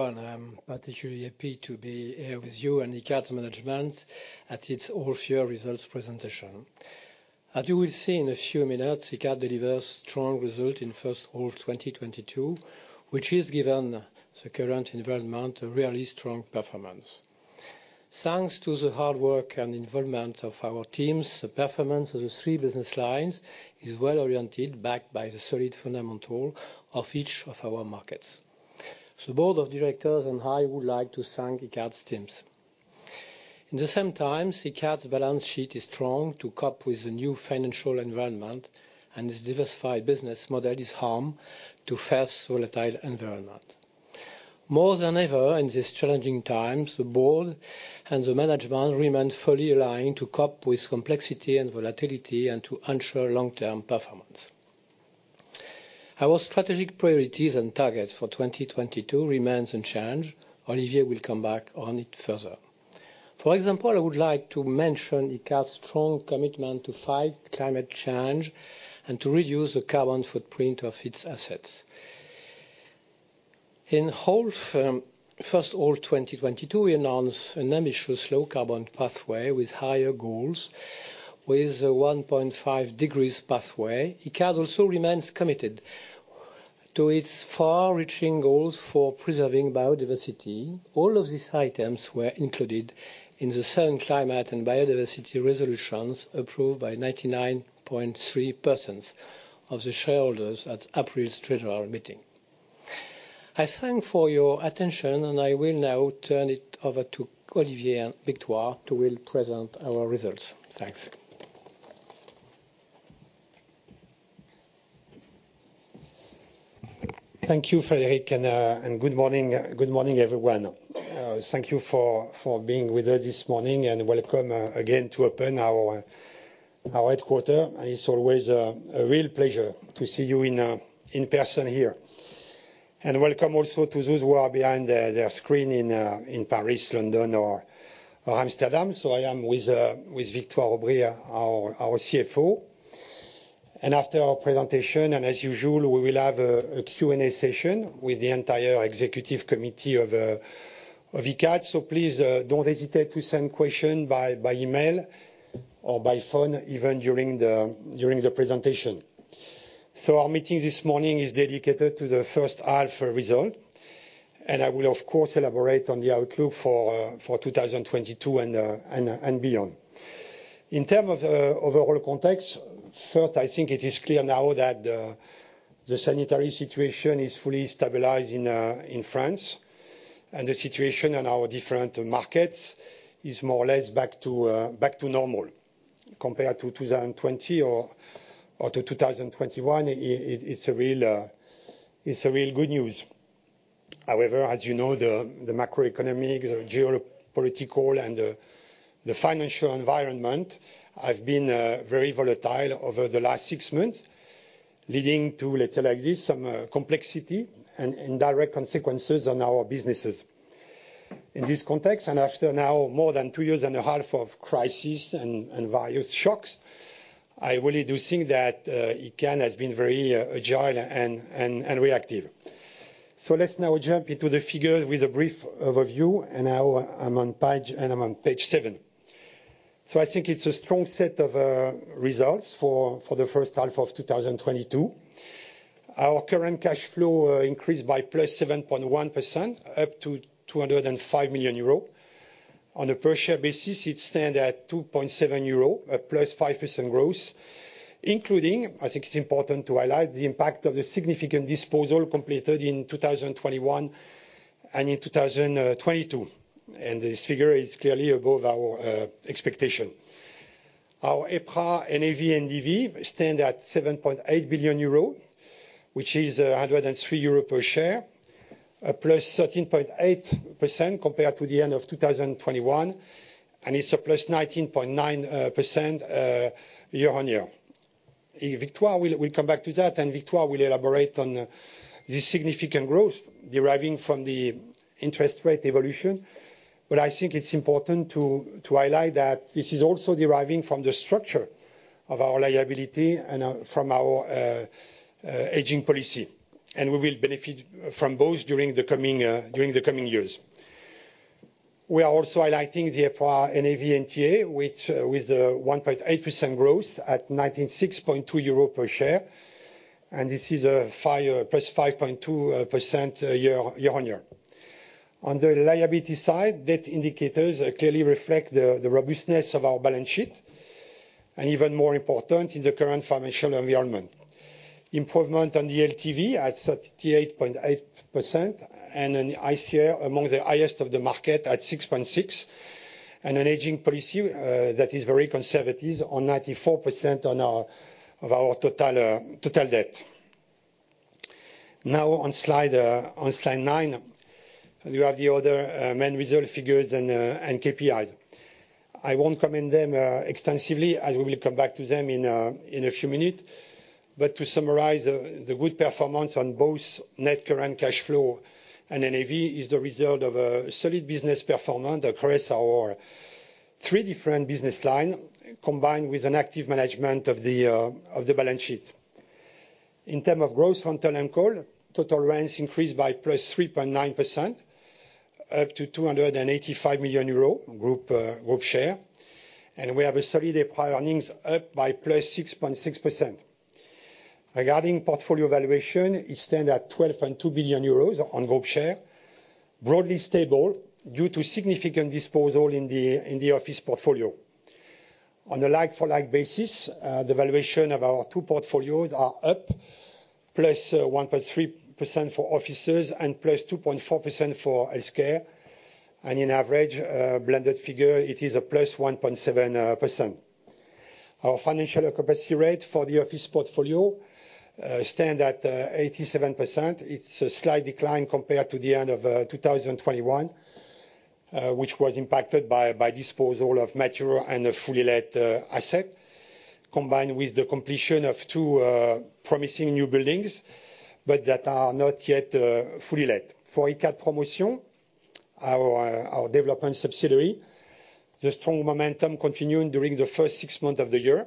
Hello, everyone. I'm particularly happy to be here with you and Icade's management at its full year results presentation. As you will see in a few minutes, Icade delivers strong results in 1st half 2022, which is, given the current environment, a really strong performance. Thanks to the hard work and involvement of our teams, the performance of the three business lines is well-oriented, backed by the solid fundamentals of each of our markets. The Board of Directors and I would like to thank Icade's teams. At the same time, Icade's balance sheet is strong to cope with the new financial environment, and its diversified business model is honed to face volatile environment. More than ever in these challenging times, the board and the management remain fully aligned to cope with complexity and volatility and to ensure long-term performance. Our strategic priorities and targets for 2022 remain unchanged. Olivier will come back on it further. For example, I would like to mention Icade's strong commitment to fight climate change and to reduce the carbon footprint of its assets. In 2022, for the whole firm, we announced an ambitious low carbon pathway with higher goals. With a 1.5 degrees pathway, Icade also remains committed to its far-reaching goals for preserving biodiversity. All of these items were included in the same climate and biodiversity resolutions approved by 99.3% of the shareholders at April's AGM. I thank you for your attention, and I will now turn it over to Olivier Wigniolle, who will present our results. Thanks. Thank you, Frédéric, and good morning, everyone. Thank you for being with us this morning, and welcome again to our headquarters. It's always a real pleasure to see you in person here. Welcome also to those who are behind their screen in Paris, London or Amsterdam. I am with Victoire Aubry, our CFO. After our presentation, and as usual, we will have a Q&A session with the entire executive committee of Icade. Please don't hesitate to send questions by email or by phone, even during the presentation. Our meeting this morning is dedicated to the 1st half results, and I will, of course, elaborate on the outlook for 2022 and beyond. In terms of overall context, 1st, I think it is clear now that the sanitary situation is fully stabilized in France, and the situation in our different markets is more or less back to normal. Compared to 2020 or to 2021, it's a real good news. However, as you know, the macroeconomic, the geopolitical and the financial environment have been very volatile over the last six months, leading to, let's say like this, some complexity and direct consequences on our businesses. In this context, and after now more than two years and a half of crisis and various shocks, I really do think that Icade has been very agile and reactive. Let's now jump into the figures with a brief overview. Now I'm on page seven. I think it's a strong set of results for the 1st half of 2022. Our current cash flow increased by +7.1%, up to 205 million euro. On a per share basis, it stand at 2.7 euro, at +5% growth, including, I think it's important to highlight, the impact of the significant disposal completed in 2021 and in 2022, and this figure is clearly above our expectation. Our EPRA NAV NDV stand at 7.8 billion euro, which is 103 euro per share, at +13.8% compared to the end of 2021, and it's a +19.9% year-on-year. Victoire will come back to that, and Victoire will elaborate on the significant growth deriving from the interest rate evolution. I think it's important to highlight that this is also deriving from the structure of our liability and from our hedging policy, and we will benefit from both during the coming years. We are also highlighting the EPRA NAV NTA, which with a 1.8% growth at 96.2 euro per share, and this is a 5.2% year-on-year. On the liability side, debt indicators clearly reflect the robustness of our balance sheet, and even more important in the current financial environment. Improvement on the LTV at 38.8% and an ICR among the highest of the market at 6.6%, and a hedging policy that is very conservative on 94% of our total debt. Now on slide nine, you have the other main result figures and KPIs. I won't comment them extensively, as we will come back to them in a few minutes. To summarize, the good performance on both net current cash flow and NAV is the result of a solid business performance across our three different business lines combined with an active management of the balance sheet. In terms of gross rental income, total rents increased by +3.9%, up to 285 million euro group share. We have a solid EPRA earnings up by +6.6%. Regarding portfolio valuation, it stands at 12.2 billion euros on group share, broadly stable due to significant disposal in the office portfolio. On a like-for-like basis, the valuation of our two portfolios are up, +1.3% for offices and +2.4% for healthcare. On average, blended figure, it is a +1.7%. Our financial capacity rate for the office portfolio stands at 87%. It's a slight decline compared to the end of 2021, which was impacted by disposal of mature and the fully let asset, combined with the completion of two promising new buildings, but that are not yet fully let. For Icade Promotion, our development subsidiary, the strong momentum continued during the 1st six months of the year.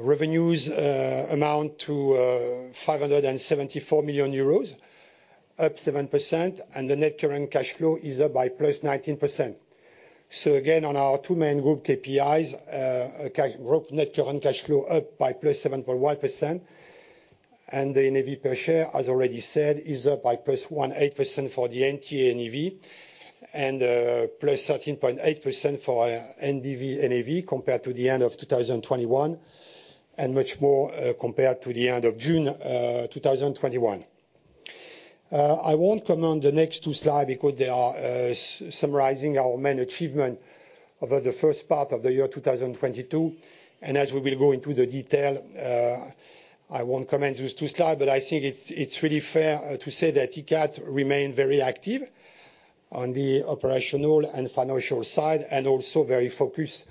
Revenues amount to 574 million euros, up 7%, and the net current cash flow is up by +19%. Again, on our two main group KPIs, group net current cash flow up by +7.1%, and the NAV per share, as already said, is up by +18% for the NT NAV and +13.8% for our NDV NAV compared to the end of 2021, and much more compared to the end of June 2021. I won't comment on the next two slides because they are summarizing our main achievements over the 1st part of the year 2022. As we will go into the detail, I won't comment those two slide, but I think it's really fair to say that Icade remain very active on the operational and financial side, and also very focused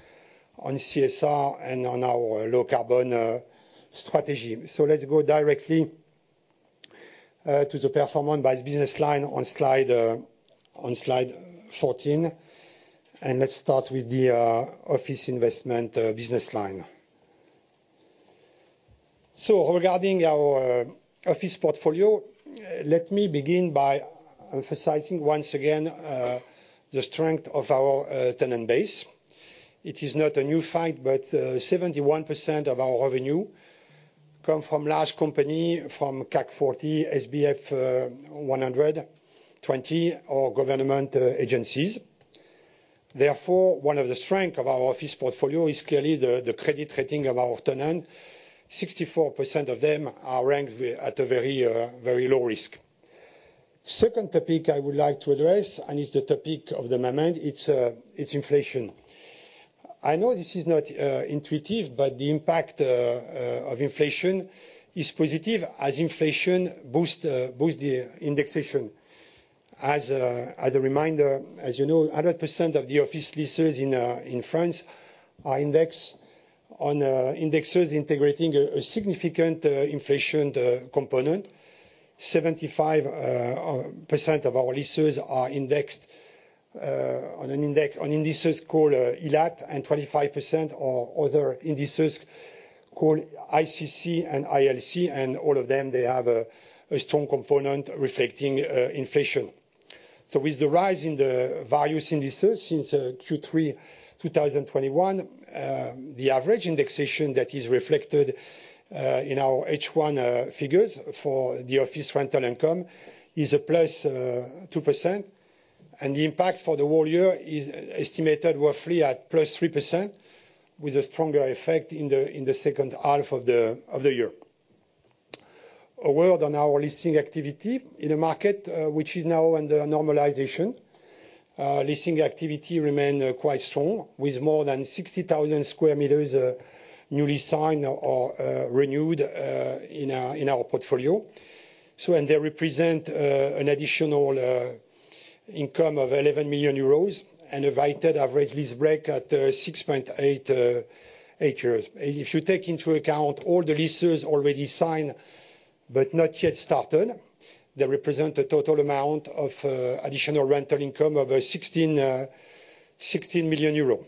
on CSR and on our low carbon strategy. Let's go directly to the performance by business line on slide on slide 14, and let's start with the office investment business line. Regarding our office portfolio, let me begin by emphasizing once again the strength of our tenant base. It is not a new find, but 71% of our revenue come from large company, from CAC 40, SBF 120, or government agencies. Therefore, one of the strength of our office portfolio is clearly the credit rating of our tenant. 64% of them are ranked at a very low risk. Second topic I would like to address, it's the topic of the moment, it's inflation. I know this is not intuitive, but the impact of inflation is positive as inflation boosts the indexation. As a reminder, as you know, 100% of the office leases in France are indexed on indexes integrating a significant inflation component. 75% of our leases are indexed on indices called ILAT and 25% on other indices called ICC and ILC, and all of them have a strong component reflecting inflation. With the rise in the values indices since Q3 2021, the average indexation that is reflected in our H1 figures for the office rental income is a +2%, and the impact for the whole year is estimated roughly at +3% with a stronger effect in the 2nd half of the year. A word on our leasing activity in the market, which is now under normalization. Leasing activity remain quite strong with more than 60,000 sq m newly signed or renewed in our portfolio. They represent an additional income of 11 million euros and a weighted average lease break at 6.88 years. If you take into account all the leases already signed but not yet started, they represent a total amount of additional rental income of 16 million euros.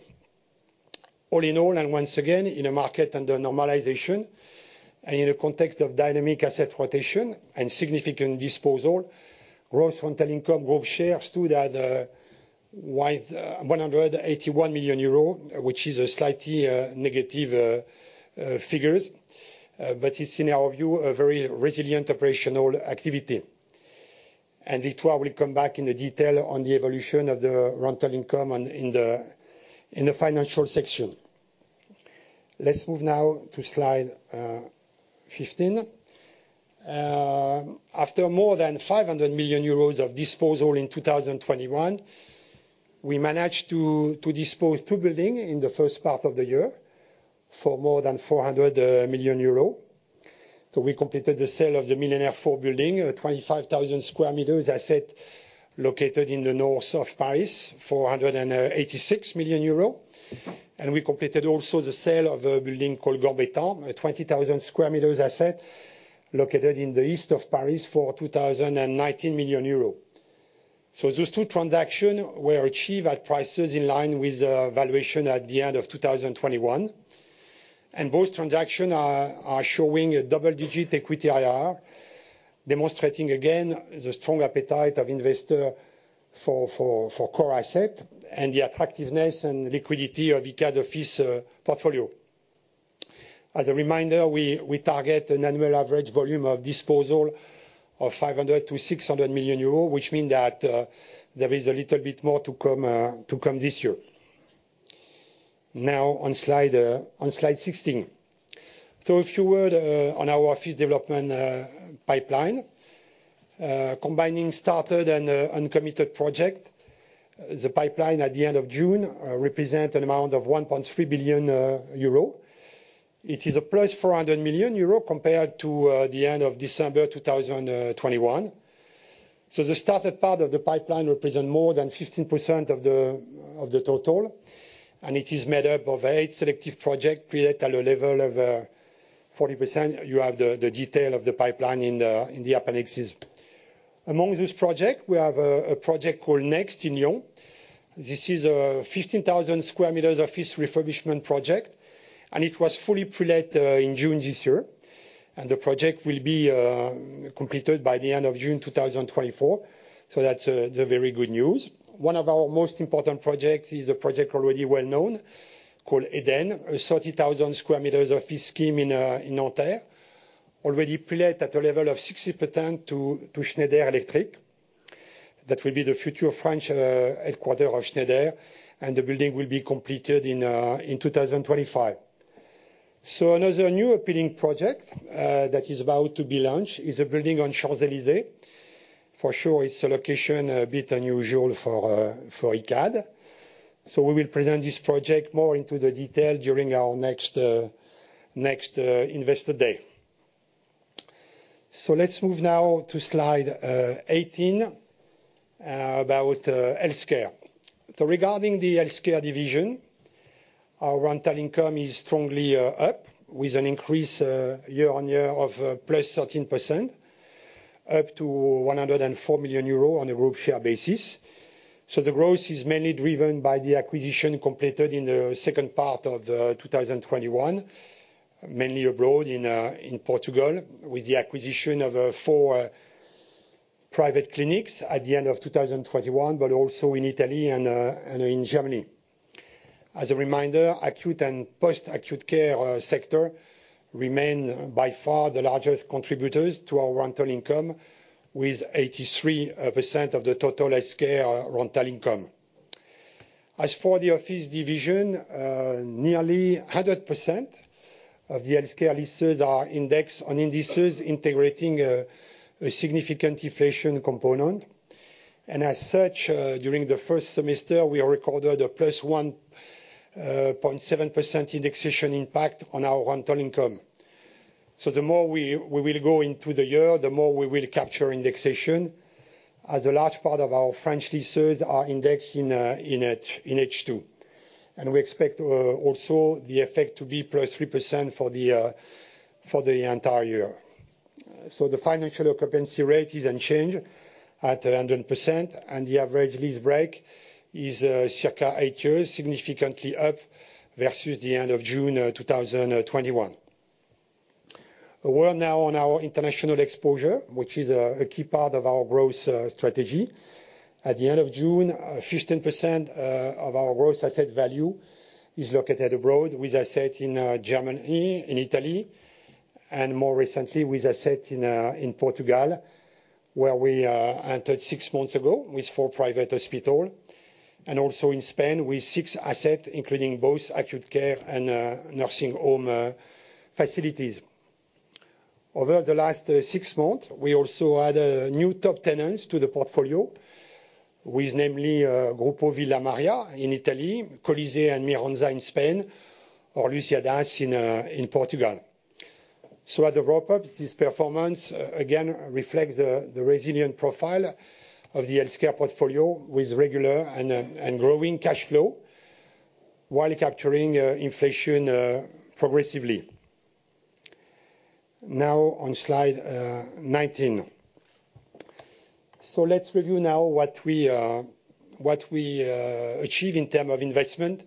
All in all, once again, in a market under normalization and in a context of dynamic asset rotation and significant disposal, gross rental income group share stood at 181 million euros, which is a slightly negative figure. It's in our view a very resilient operational activity. Victoire will come back in detail on the evolution of the rental income in the financial section. Let's move now to slide 15. After more than 500 million euros of disposals in 2021, we managed to dispose two buildings in the 1st part of the year for more than 400 million euros. We completed the sale of the Millénaire four building, a 25,000 sq m asset located in the north of Paris, 486 million euros. We completed also the sale of a building called Gambetta, a 20,000 sq m asset located in the east of Paris for 219 million euros. Those two transactions were achieved at prices in line with valuation at the end of 2021. Both transactions are showing a double-digit equity IRR, demonstrating again the strong appetite of investors for core assets and the attractiveness and liquidity of Icade office portfolio. As a reminder, we target an annual average volume of disposal of 500 million- 600 million euros, which means that there is a little bit more to come this year. Now on slide 16. A few words on our office development pipeline. Combining started and uncommitted projects, the pipeline at the end of June represents an amount of 1.3 billion euro. It is a +400 million euro compared to the end of December 2021. The started part of the pipeline represents more than 15% of the total, and it is made up of eight selective projects pre-let at a level of 40%. You have the details of the pipeline in the appendix. Among this project, we have a project called Next in Lyon. This is a 15,000 sq m office refurbishment project, and it was fully pre-let in June this year, and the project will be completed by the end of June 2024. That's the very good news. One of our most important project is a project already well known called Edenn, a 30,000 sq m office scheme in Nanterre, already pre-let at a level of 60% to Schneider Electric. That will be the future French headquarters of Schneider, and the building will be completed in 2025. Another new appealing project that is about to be launched is a building on Champs-Élysées. For sure, it's a location a bit unusual for Icade. We will present this project more into the detail during our next investor day. Let's move now to slide 18 about healthcare. Regarding the healthcare division, our rental income is strongly up with an increase year-on-year of +13%, up to 104 million euro on a group share basis. The growth is mainly driven by the acquisition completed in the 2nd part of 2021, mainly abroad in Portugal with the acquisition of four private clinics at the end of 2021, but also in Italy and in Germany. As a reminder, acute and post-acute care sector remain by far the largest contributors to our rental income with 83% of the total healthcare rental income. As for the office division, nearly 100% of the healthcare leases are indexed on indices integrating a significant inflation component. As such, during the 1st semester, we recorded a +1.7% indexation impact on our rental income. The more we will go into the year, the more we will capture indexation as a large part of our French leases are indexed in H2. We expect also the effect to be +3% for the entire year. The financial occupancy rate is unchanged at 100%, and the average lease break is circa eight years, significantly up versus the end of June 2021. We're now on our international exposure, which is a key part of our growth strategy. At the end of June, 15% of our gross asset value is located abroad with assets in Germany, in Italy, and more recently with assets in Portugal, where we entered six months ago with four private hospitals and also in Spain with six assets, including both acute care and nursing home facilities. Over the last six months, we also added new top tenants to the portfolio with namely Gruppo Villa Maria in Italy, Colisée and Miranza in Spain or Lusíadas in Portugal. At the wrap-up, this performance again reflects the resilient profile of the healthcare portfolio with regular and growing cash flow while capturing inflation progressively. Now on slide 19. Let's review now what we achieve in terms of investment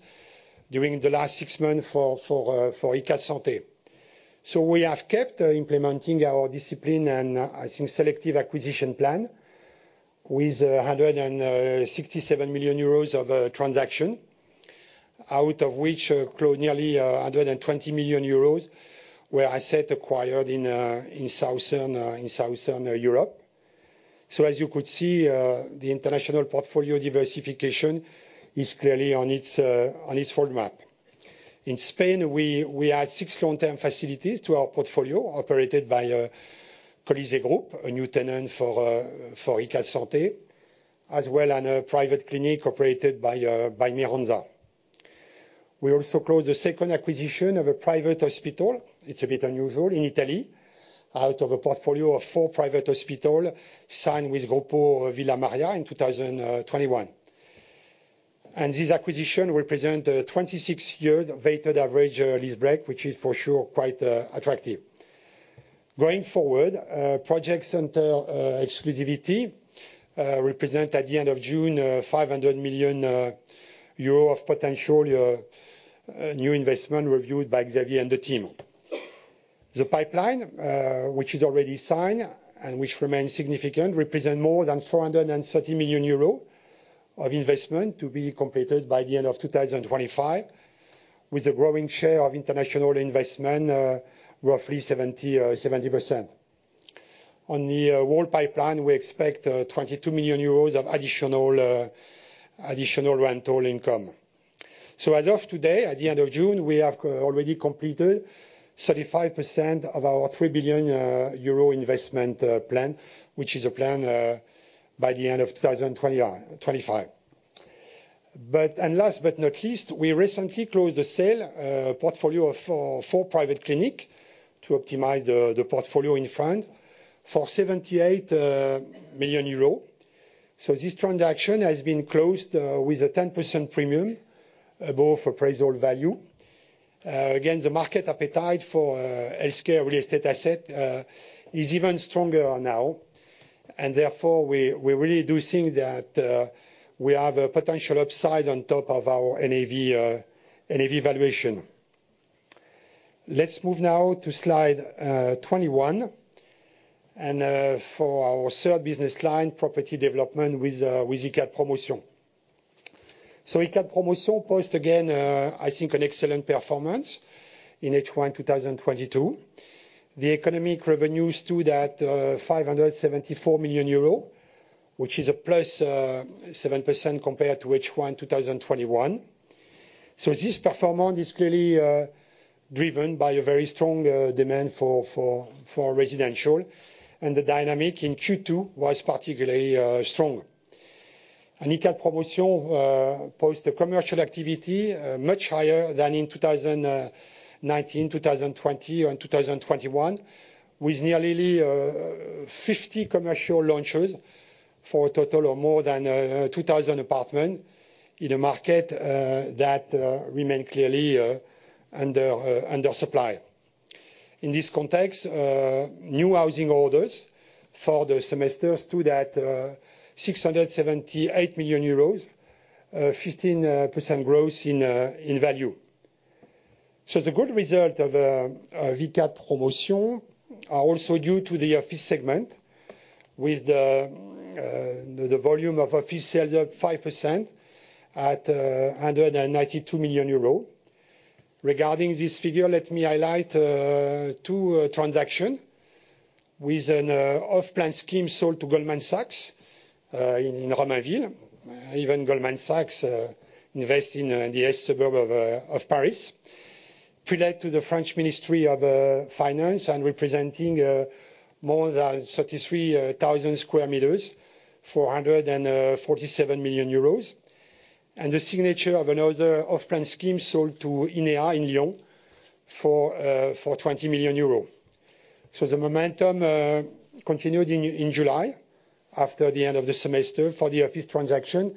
during the last six months for Icade Santé. We have kept implementing our discipline and I think selective acquisition plan with 167 million euros of transaction, out of which nearly 120 million euros were assets acquired in southern Europe. As you could see, the international portfolio diversification is clearly on its roadmap. In Spain, we add six long-term facilities to our portfolio operated by Colisée Group, a new tenant for Icade Santé, as well in a private clinic operated by Miranza. We also closed the 2nd acquisition of a private hospital, it's a bit unusual, in Italy, out of a portfolio of four private hospital signed with Gruppo Villa Maria in 2021. This acquisition represent 26-year weighted average leaseback, which is for sure quite attractive. Going forward, project-centered exclusivity represent at the end of June 500 million euro of potential new investment reviewed by Xavier and the team. The pipeline, which is already signed and which remains significant, represent more than 430 million euros of investment to be completed by the end of 2025, with a growing share of international investment, roughly 70%. On the world pipeline, we expect 22 million euros of additional rent roll income. As of today, at the end of June, we have already completed 35% of our EUR 3 billion investment plan, which is a plan by the end of 2025. Last but not least, we recently closed the sale portfolio of four private clinics to optimize the portfolio in France for 78 million euros. This transaction has been closed with a 10% premium above appraisal value. Again, the market appetite for healthcare real estate assets is even stronger now, and therefore we really do think that we have a potential upside on top of our NAV valuation. Let's move now to slide 21 and for our 3rd business line, property development with Icade Promotion. Icade Promotion posted again, I think an excellent performance in H1 2022. The economic revenues stood at 574 million euro, which is a +7% compared to H1 2021. This performance is clearly driven by a very strong demand for residential and the dynamic in Q2 was particularly strong. Icade Promotion posted a commercial activity much higher than in 2019, 2020 and 2021, with nearly 50 commercial launches for a total of more than 2,000 apartments in a market that remains clearly under supply. In this context, new housing orders for the semester stood at 678 million euros, 15% growth in value. The good result of Icade Promotion are also due to the office segment with the volume of office sales up 5% at 192 million euros. Regarding this figure, let me highlight two transactions with an off-plan scheme sold to Goldman Sachs in Romainville. Even Goldman Sachs invest in the suburb of Paris. Pre-let to the French Ministry of Finance and representing more than 33,000 sq m, 447 million euros. The signature of another off-plan scheme sold to INEA in Lyon for 20 million euros. The momentum continued in July after the end of the semester for the office transaction,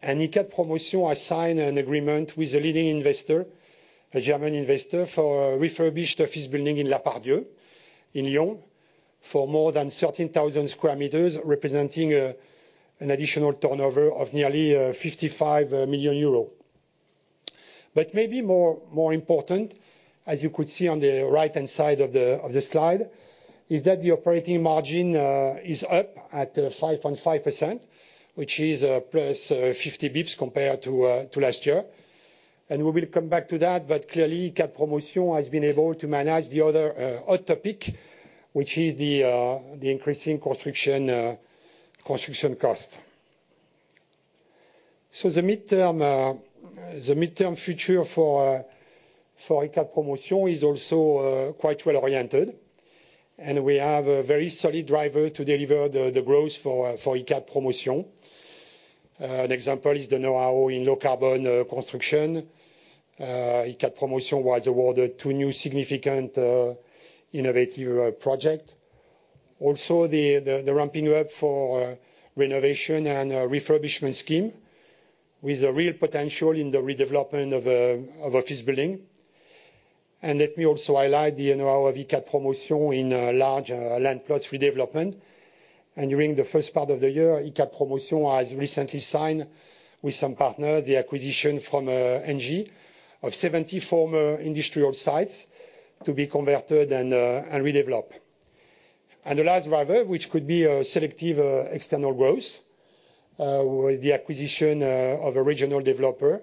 and Icade Promotion assigned an agreement with a leading investor, a German investor, for a refurbished office building in La Part-Dieu in Lyon for more than 13,000 sq m, representing an additional turnover of nearly 55 million euros. Maybe more important, as you could see on the right-hand side of the slide, is that the operating margin is up at 5.5%, which is 50 basis points compared to last year. We will come back to that, but clearly, Icade Promotion has been able to manage the other hot topic, which is the increasing construction cost. The midterm future for Icade Promotion is also quite well oriented, and we have a very solid driver to deliver the growth for Icade Promotion. An example is the know-how in low-carbon construction. Icade Promotion was awarded two new significant innovative project. Also the ramping up for renovation and refurbishment scheme with a real potential in the redevelopment of office building. Let me also highlight the know-how of Icade Promotion in large land plots redevelopment. During the 1st part of the year, Icade Promotion has recently signed with some partner the acquisition from Engie of 70 former industrial sites to be converted and redeveloped. The last driver, which could be a selective external growth with the acquisition of a regional developer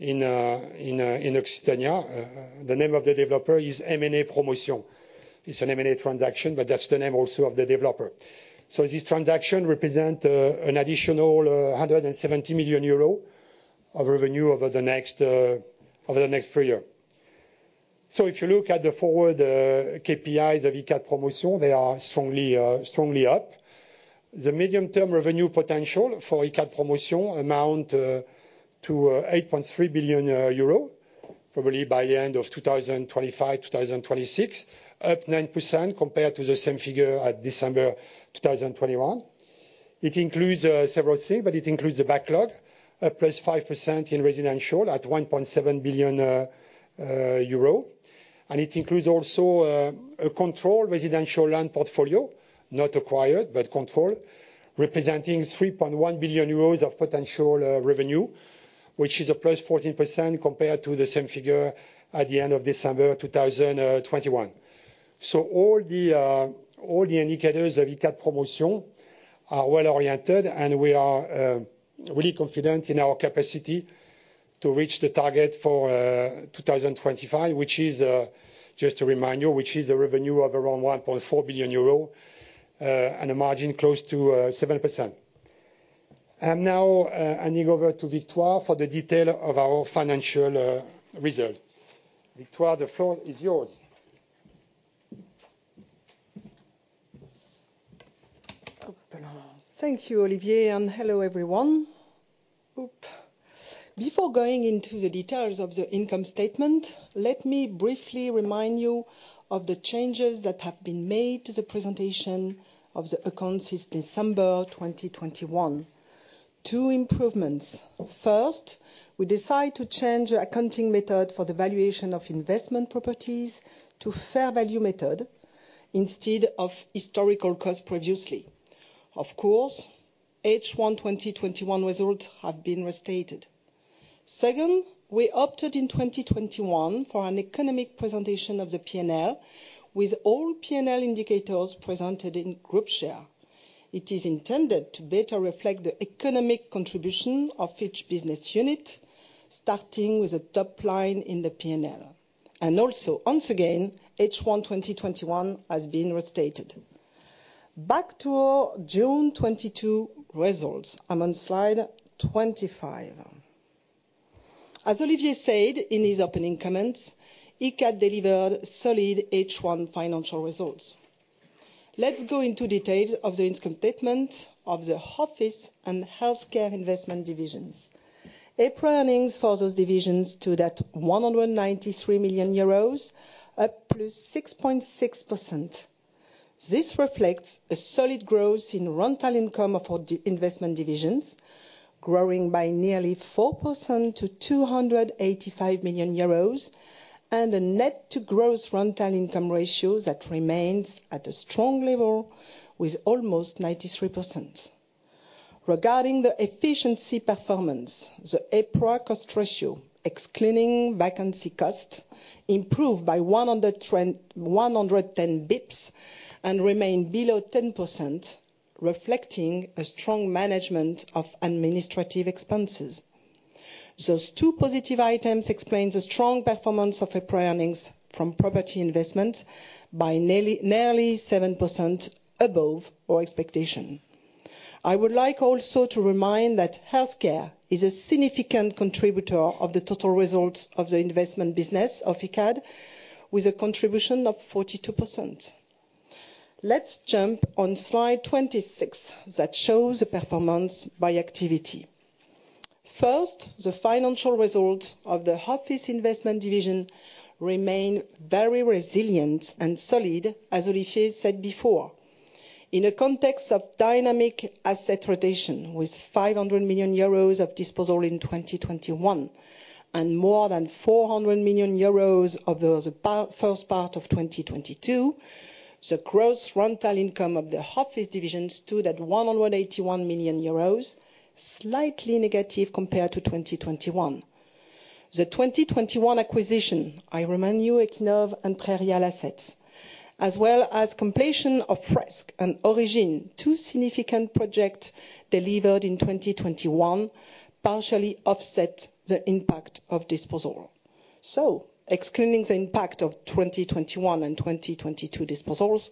in Occitanie. The name of the developer is M&A Promotion. It's an M&A transaction, but that's the name also of the developer. This transaction represent an additional 170 million euro of revenue over the next three year. If you look at the forward KPIs of Icade Promotion, they are strongly up. The medium-term revenue potential for Icade Promotion amount to 8.3 billion euro. Probably by the end of 2025, 2026. Up 9% compared to the same figure at December 2021. It includes several things, but it includes the backlog, up +5% in residential at 1.7 billion euro. It includes also a controlled residential land portfolio, not acquired, but controlled, representing 3.1 billion euros of potential revenue, which is up +14% compared to the same figure at the end of December 2021. All the indicators of Icade Promotion are well-oriented, and we are really confident in our capacity to reach the target for 2025, which is just to remind you, which is a revenue of around 1.4 billion euro and a margin close to 7%. I'm now handing over to Victoire for the detail of our financial result. Victoire, the floor is yours. Thank you, Olivier, and hello, everyone. Before going into the details of the income statement, let me briefly remind you of the changes that have been made to the presentation of the accounts since December 2021. Two improvements. First, we decide to change accounting method for the valuation of investment properties to fair value method instead of historical cost previously. Of course, H1 2021 results have been restated. Second, we opted in 2021 for an economic presentation of the P&L with all P&L indicators presented in group share. It is intended to better reflect the economic contribution of each business unit, starting with the top line in the P&L. Once again, H1 2021 has been restated. Back to our June 2022 results. I'm on slide 25. As Olivier said in his opening comments, Icade delivered solid H1 financial results. Let's go into details of the income statement of the office and healthcare investment divisions. EPRA earnings for those divisions stood at 193 million euros, up +6.6%. This reflects a solid growth in rental income of our investment divisions, growing by nearly 4% to 285 million euros, and a net to gross rental income ratio that remains at a strong level with almost 93%. Regarding the efficiency performance, the EPRA cost ratio, excluding vacancy cost, improved by 110 basis points and remained below 10%, reflecting a strong management of administrative expenses. Those two positive items explain the strong performance of EPRA earnings from property investment by nearly 7% above our expectation. I would like also to remind that healthcare is a significant contributor of the total results of the investment business of Icade, with a contribution of 42%. Let's jump on slide 26 that shows the performance by activity. First, the financial results of the office investment division remain very resilient and solid, as Olivier said before. In a context of dynamic asset rotation with 500 million euros of disposal in 2021 and more than 400 million euros of the 1st part of 2022, the gross rental income of the office division stood at 181 million euros, slightly negative compared to 2021. The 2021 acquisition, I remind you, Equinove and Real Assets, as well as completion of Fresk and Origine, two significant project delivered in 2021, partially offset the impact of disposal. Excluding the impact of 2021 and 2022 disposals,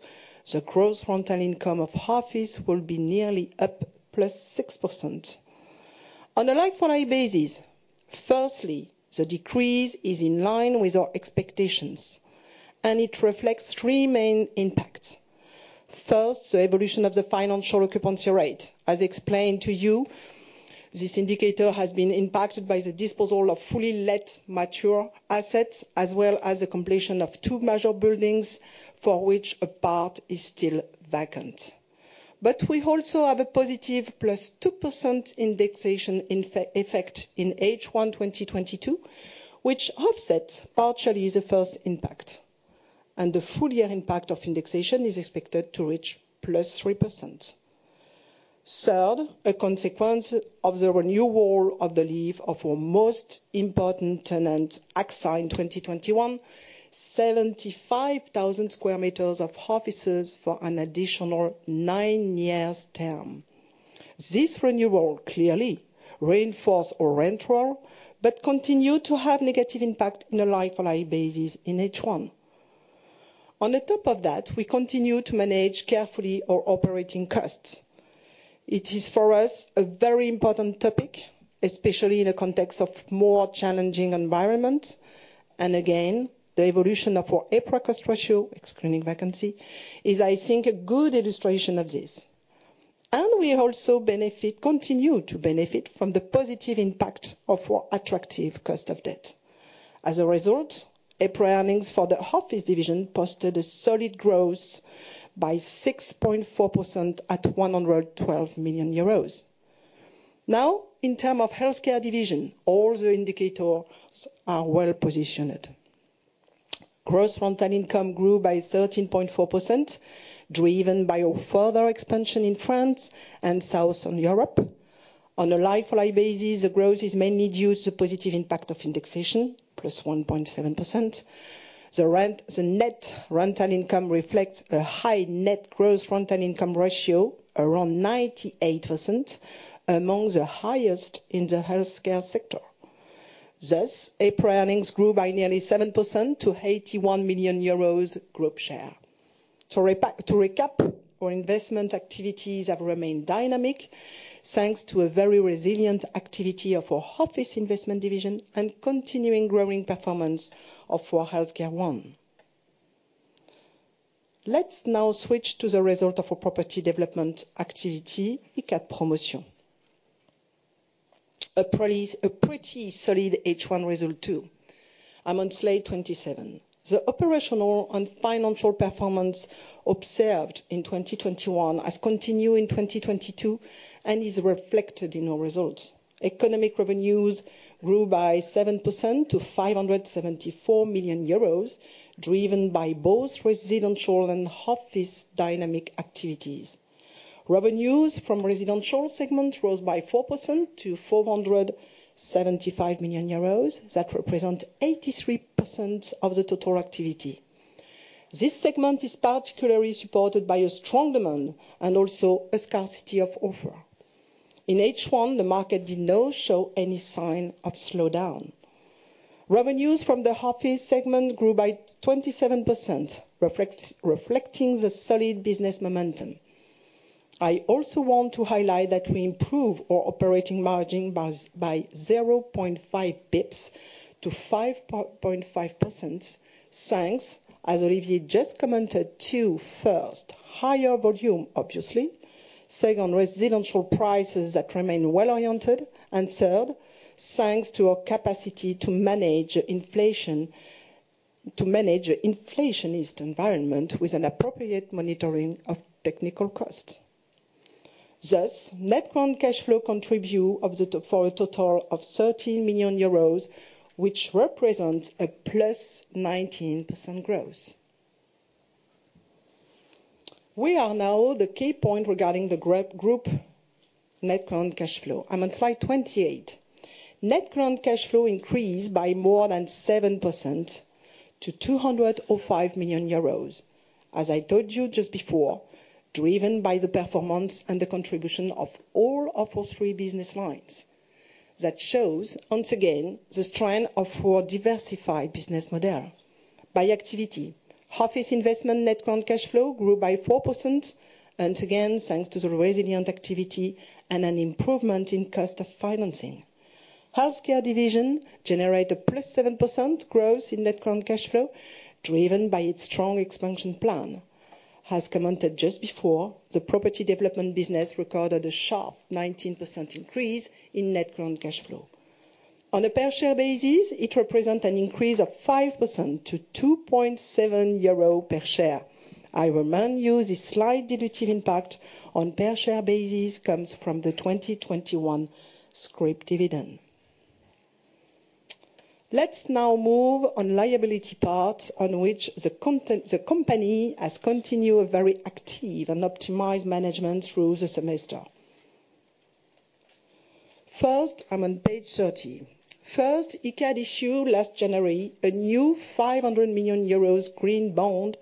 the gross rental income of half-years will be nearly up +6%. On a like-for-like basis, firstly, the decrease is in line with our expectations, and it reflects three main impacts. First, the evolution of the financial occupancy rate. As explained to you, this indicator has been impacted by the disposal of fully let mature assets, as well as the completion of two major buildings for which a part is still vacant. But we also have a positive +2% indexation in effect in H1 2022, which offsets partially the 1st impact. And the full year impact of indexation is expected to reach +3%. Third, a consequence of the renewal of the lease of our most important tenant, AXA, in 2021, 75,000 sq m of offices for an additional nine years term. This renewal clearly reinforces our rentals, but continues to have negative impact on a like-for-like basis in H1. On top of that, we continue to manage carefully our operating costs. It is, for us, a very important topic, especially in the context of a more challenging environment. The evolution of our EPRA cost ratio, excluding vacancy, is, I think, a good illustration of this. We also benefit, continue to benefit from the positive impact of our attractive cost of debt. As a result, EPRA earnings for the half-year division posted a solid growth by 6.4% at 112 million euros. Now, in terms of healthcare division, all the indicators are well-positioned. Gross rental income grew by 13.4%, driven by a further expansion in France and southern Europe. On a like-for-like basis, the growth is mainly due to the positive impact of indexation, +1.7%. The rent, the net rental income reflects a high net gross rental income ratio, around 98%, among the highest in the healthcare sector. Thus, EPRA earnings grew by nearly 7% to 81 million euros group share. To recap, our investment activities have remained dynamic, thanks to a very resilient activity of our office investment division and continuing growing performance of our Healthcare One. Let's now switch to the result of our property development activity, Icade Promotion. A pretty solid H1 result, too. I'm on slide 27. The operational and financial performance observed in 2021 has continued in 2022 and is reflected in our results. Economic revenues grew by 7% to 574 million euros, driven by both residential and office dynamic activities. Revenues from residential segment rose by 4% to 475 million euros, that represent 83% of the total activity. This segment is particularly supported by a strong demand and also a scarcity of offer. In H1, the market did not show any sign of slowdown. Revenues from the office segment grew by 27%, reflecting the solid business momentum. I also want to highlight that we improved our operating margin by 0.5 basis points to 5.5%, thanks, as Olivier just commented too, 1st, higher volume, obviously, 2nd, residential prices that remain well-oriented, and 3rd, thanks to our capacity to manage inflation, to manage inflationary environment with an appropriate monitoring of technical costs. Thus, net loan cash flow contribution of the for a total of 30 million euros, which represents +19% growth. We are now at the key point regarding the group net loan cash flow. I'm on slide 28. Net loan cash flow increased by more than 7% to 205 million euros. As I told you just before, driven by the performance and the contribution of all of our three business lines. That shows, once again, the strength of our diversified business model. By activity, office investment net loan cash flow grew by 4%, and again, thanks to the resilient activity and an improvement in cost of financing. Healthcare division generated +7% growth in net loan cash flow, driven by its strong expansion plan. As commented just before, the property development business recorded a sharp 19% increase in net new cash flow. On a per share basis, it represent an increase of 5% to 2.7 euro per share. I remind you, the slight dilutive impact on per share basis comes from the 2021 scrip dividend. Let's now move on to the liability part on which the context, the company has continued a very active and optimized management through the semester. First, I'm on page 30. First, Icade issued last January a new 500 million euros green bond,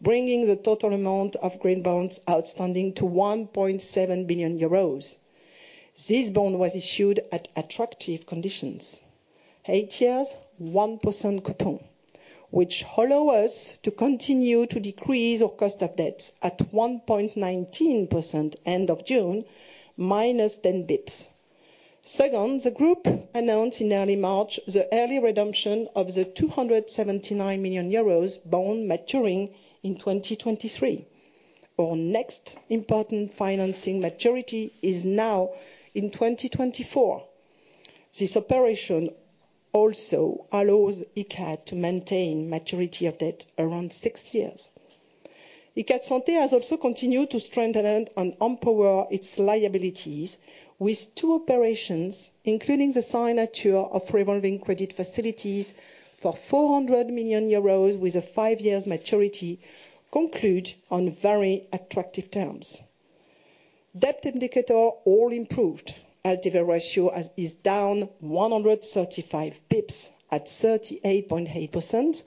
bringing the total amount of green bonds outstanding to 1.7 billion euros. This bond was issued at attractive conditions, eight years, 1% coupon, which allow us to continue to decrease our cost of debt at 1.19% end of June, -10 basis points. Second, the group announced in early March the early redemption of the 279 million euros bond maturing in 2023. Our next important financing maturity is now in 2024. This operation also allows Icade to maintain maturity of debt around six years. Icade Santé has also continued to strengthen and improve its liabilities with two operations, including the signature of revolving credit facilities for 400 million euros with a five-year maturity concluded on very attractive terms. Debt indicators all improved. LTV ratio is down 135 basis points at 38.8%,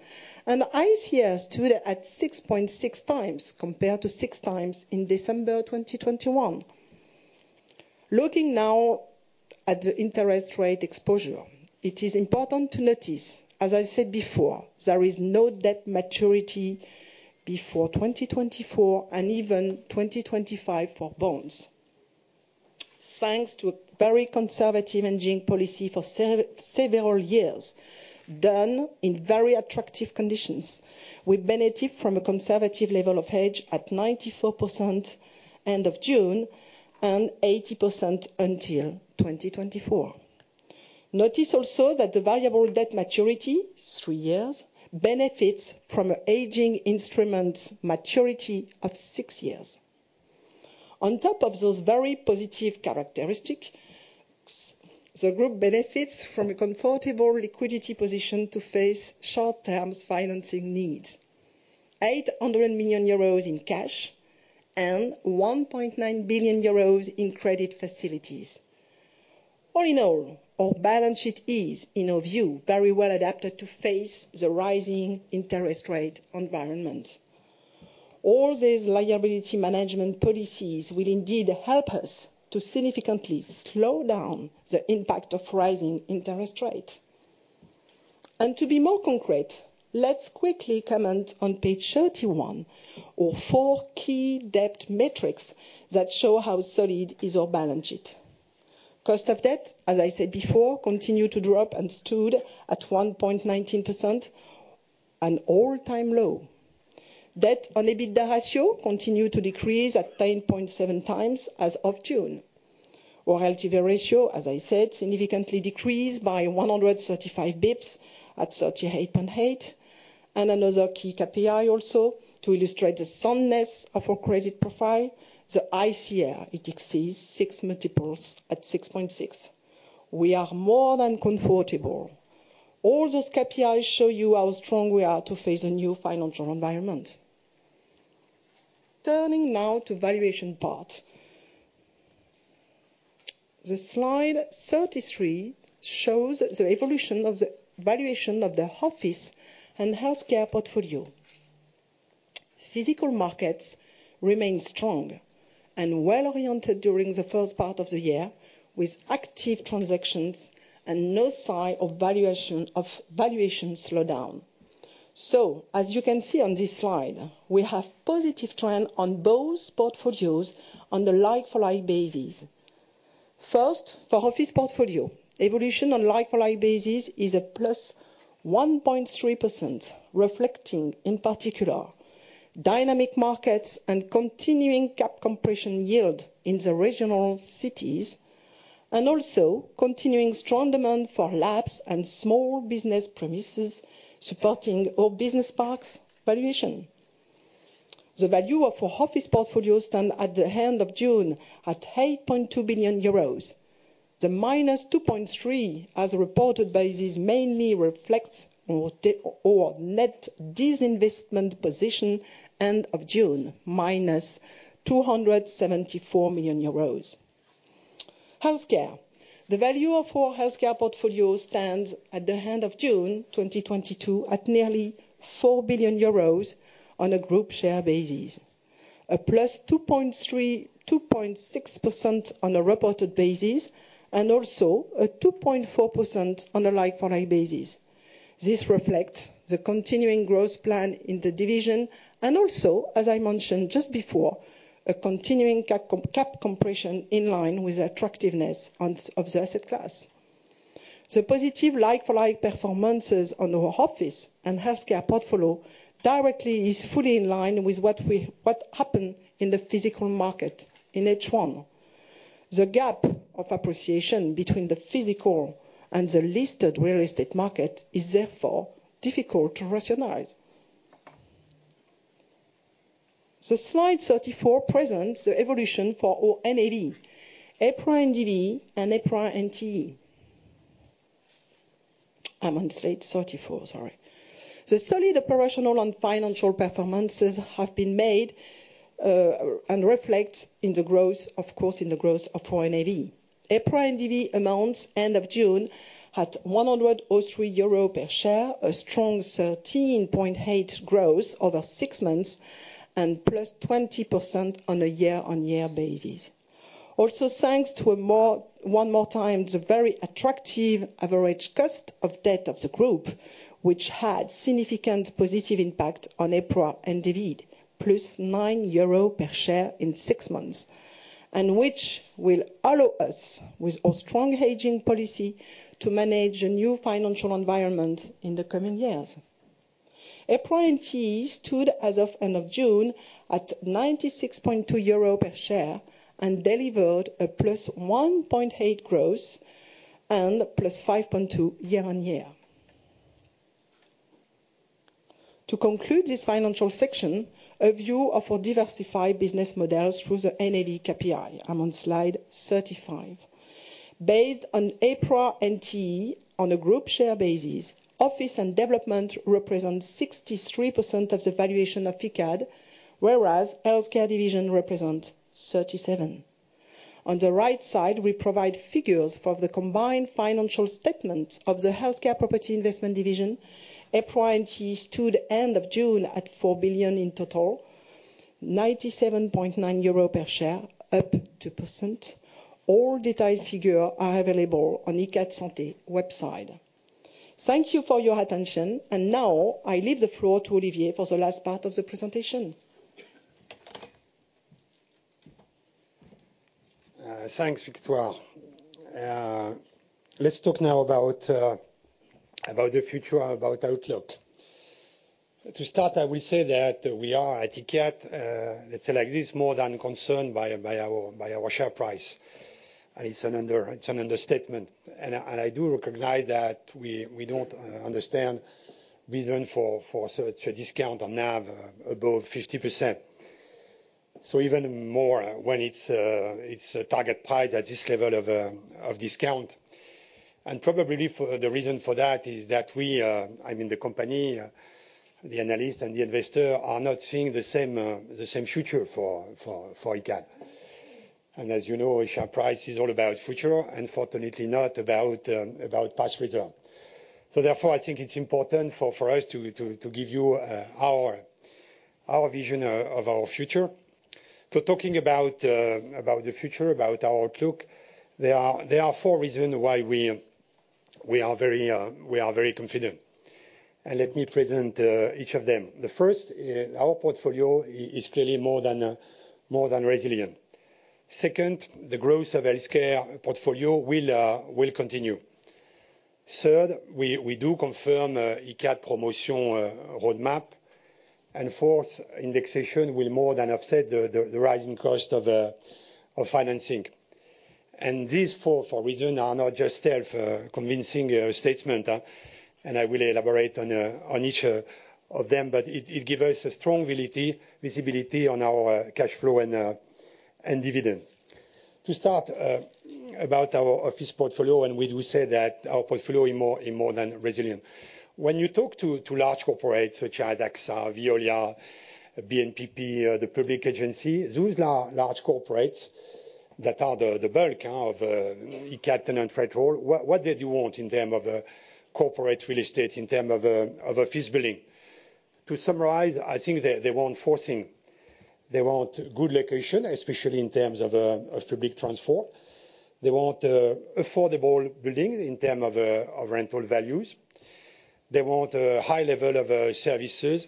and ICR stood at 6.6x compared to 6x in December 2021. Looking now at the interest rate exposure, it is important to notice, as I said before, there is no debt maturity before 2024 and even 2025 for bonds. Thanks to a very conservative hedging policy for several years done in very attractive conditions, we benefit from a conservative level of hedge at 94% end of June, and 80% until 2024. Notice also that the variable debt maturity, three years, benefits from capping instruments maturity of six years. On top of those very positive characteristics, the group benefits from a comfortable liquidity position to face short-term financing needs. 800 million euros in cash and 1.9 billion euros in credit facilities. All in all, our balance sheet is, in our view, very well adapted to face the rising interest rate environment. All these liability management policies will indeed help us to significantly slow down the impact of rising interest rates. To be more concrete, let's quickly comment on page 31, our four key debt metrics that show how solid is our balance sheet. Cost of debt, as I said before, continued to drop and stood at 1.19%, an all-time low. Debt on EBITDA ratio continued to decrease at 10.7x as of June. Our LTV ratio, as I said, significantly decreased by 135 basis points at 38.8%. Another key KPI also to illustrate the soundness of our credit profile, the ICR, it exceeds six multiples at 6.6x. We are more than comfortable. All those KPIs show you how strong we are to face a new financial environment. Turning now to valuation part. Slide 33 shows the evolution of the valuation of the office and healthcare portfolio. Physical markets remained strong and well-oriented during the 1st part of the year, with active transactions and no sign of valuation slowdown. As you can see on this slide, we have positive trend on both portfolios on the like-for-like basis. First, for office portfolio, evolution on like-for-like basis is +1.3%, reflecting, in particular, dynamic markets and continuing cap compression yield in the regional cities, and also continuing strong demand for labs and small business premises supporting our business parks valuation. The value of our office portfolio stand at the end of June at 8.2 billion euros. The -2.3% as reported basis mainly reflects our net disinvestment position end of June, -274 million euros. Healthcare. The value of our healthcare portfolio stands at the end of June 2022 at nearly 4 billion euros on a group share basis, +2.3%, 2.6% on a reported basis, and also 2.4% on a like-for-like basis. This reflects the continuing growth plan in the division and also, as I mentioned just before, a continuing cap compression in line with the attractiveness of the asset class. Positive like-for-like performances on our office and healthcare portfolio directly is fully in line with what happened in the physical market in H1. The gap of appreciation between the physical and the listed real estate market is therefore difficult to rationalize. The slide 34 presents the evolution for our NAV, EPRA NDV, and EPRA NTA. I'm on slide 34, sorry. The solid operational and financial performances have been made and reflect in the growth of our NAV. EPRA NDV amounts end of June at 103 euro per share, a strong 13.8% growth over six months and +20% on a year-on-year basis. Also, thanks to one more time, the very attractive average cost of debt of the group, which had significant positive impact on EPRA NDV, +9 euros per share in six months, and which will allow us, with our strong hedging policy, to manage a new financial environment in the coming years. EPRA NT stood as of end of June at 96.2 euro per share and delivered a +1.8% growth and +5.2% year-on-year. To conclude this financial section, a view of our diversified business models through the NAV KPI. I'm on slide 35. Based on EPRA NTA on a group share basis, office and development represents 63% of the valuation of Icade, whereas healthcare division represents 37%. On the right side, we provide figures for the combined financial statement of the healthcare property investment division. EPRA NTA stood at end of June at 4 billion in total, 97.9 euro per share, up 2%. All detailed figures are available on Icade Santé website. Thank you for your attention. Now, I leave the floor to Olivier for the last part of the presentation. Thanks, Victoire. Let's talk now about the future, about outlook. To start, I will say that we are, I think, at, let's say like this, more than concerned by our share price. It's an understatement. I do recognize that we don't understand reason for such a discount on NAV above 50%. Even more when it's a target price at this level of discount. Probably for the reason for that is that we, I mean the company, the analyst and the investor are not seeing the same future for Icade. As you know, a share price is all about future, unfortunately not about past result. Therefore, I think it's important for us to give you our vision of our future. Talking about the future, about our outlook, there are four reasons why we are very confident. Let me present each of them. The 1st is our portfolio is clearly more than resilient. Second, the growth of healthcare portfolio will continue. Third, we do confirm Icade Promotion roadmap. Fourth, indexation will more than offset the rising cost of financing. These four reasons are not just self convincing statements. I will elaborate on each of them, but it gives us a strong visibility on our cash flow and dividend. To start, about our office portfolio, we say that our portfolio is more than resilient. When you talk to large corporates such as AXA, Veolia, BNP Paribas, the public agency, those are large corporates that are the bulk of Icade tenant portfolio. What did you want in terms of corporate real estate, in terms of an office building? To summarize, I think they want four things. They want good location, especially in terms of public transport. They want affordable building in terms of rental values. They want a high level of services,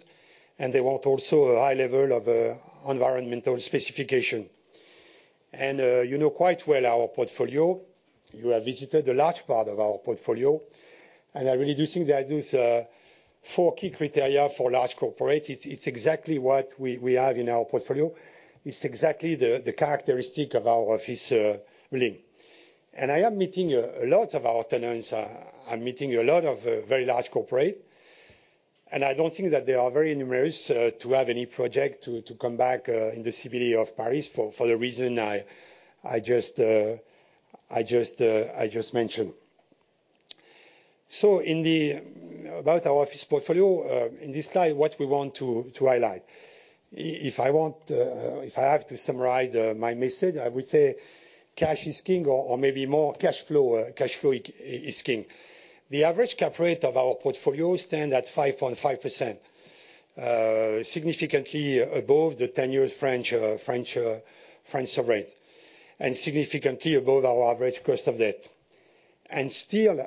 and they want also a high level of environmental specification. You know quite well our portfolio. You have visited a large part of our portfolio, and I really do think that with four key criteria for large corporate, it's exactly what we have in our portfolio. It's exactly the characteristic of our office link. I am meeting a lot of our tenants. I'm meeting a lot of very large corporate, and I don't think that they are very numerous to have any project to come back in the CBD of Paris for the reason I just mentioned. About our office portfolio, in this slide, what we want to highlight. If I have to summarize my message, I would say cash is king or maybe more cashflow is king. The average cap rate of our portfolio stands at 5.5%, significantly above the ten-year French rate, and significantly above our average cost of debt, and still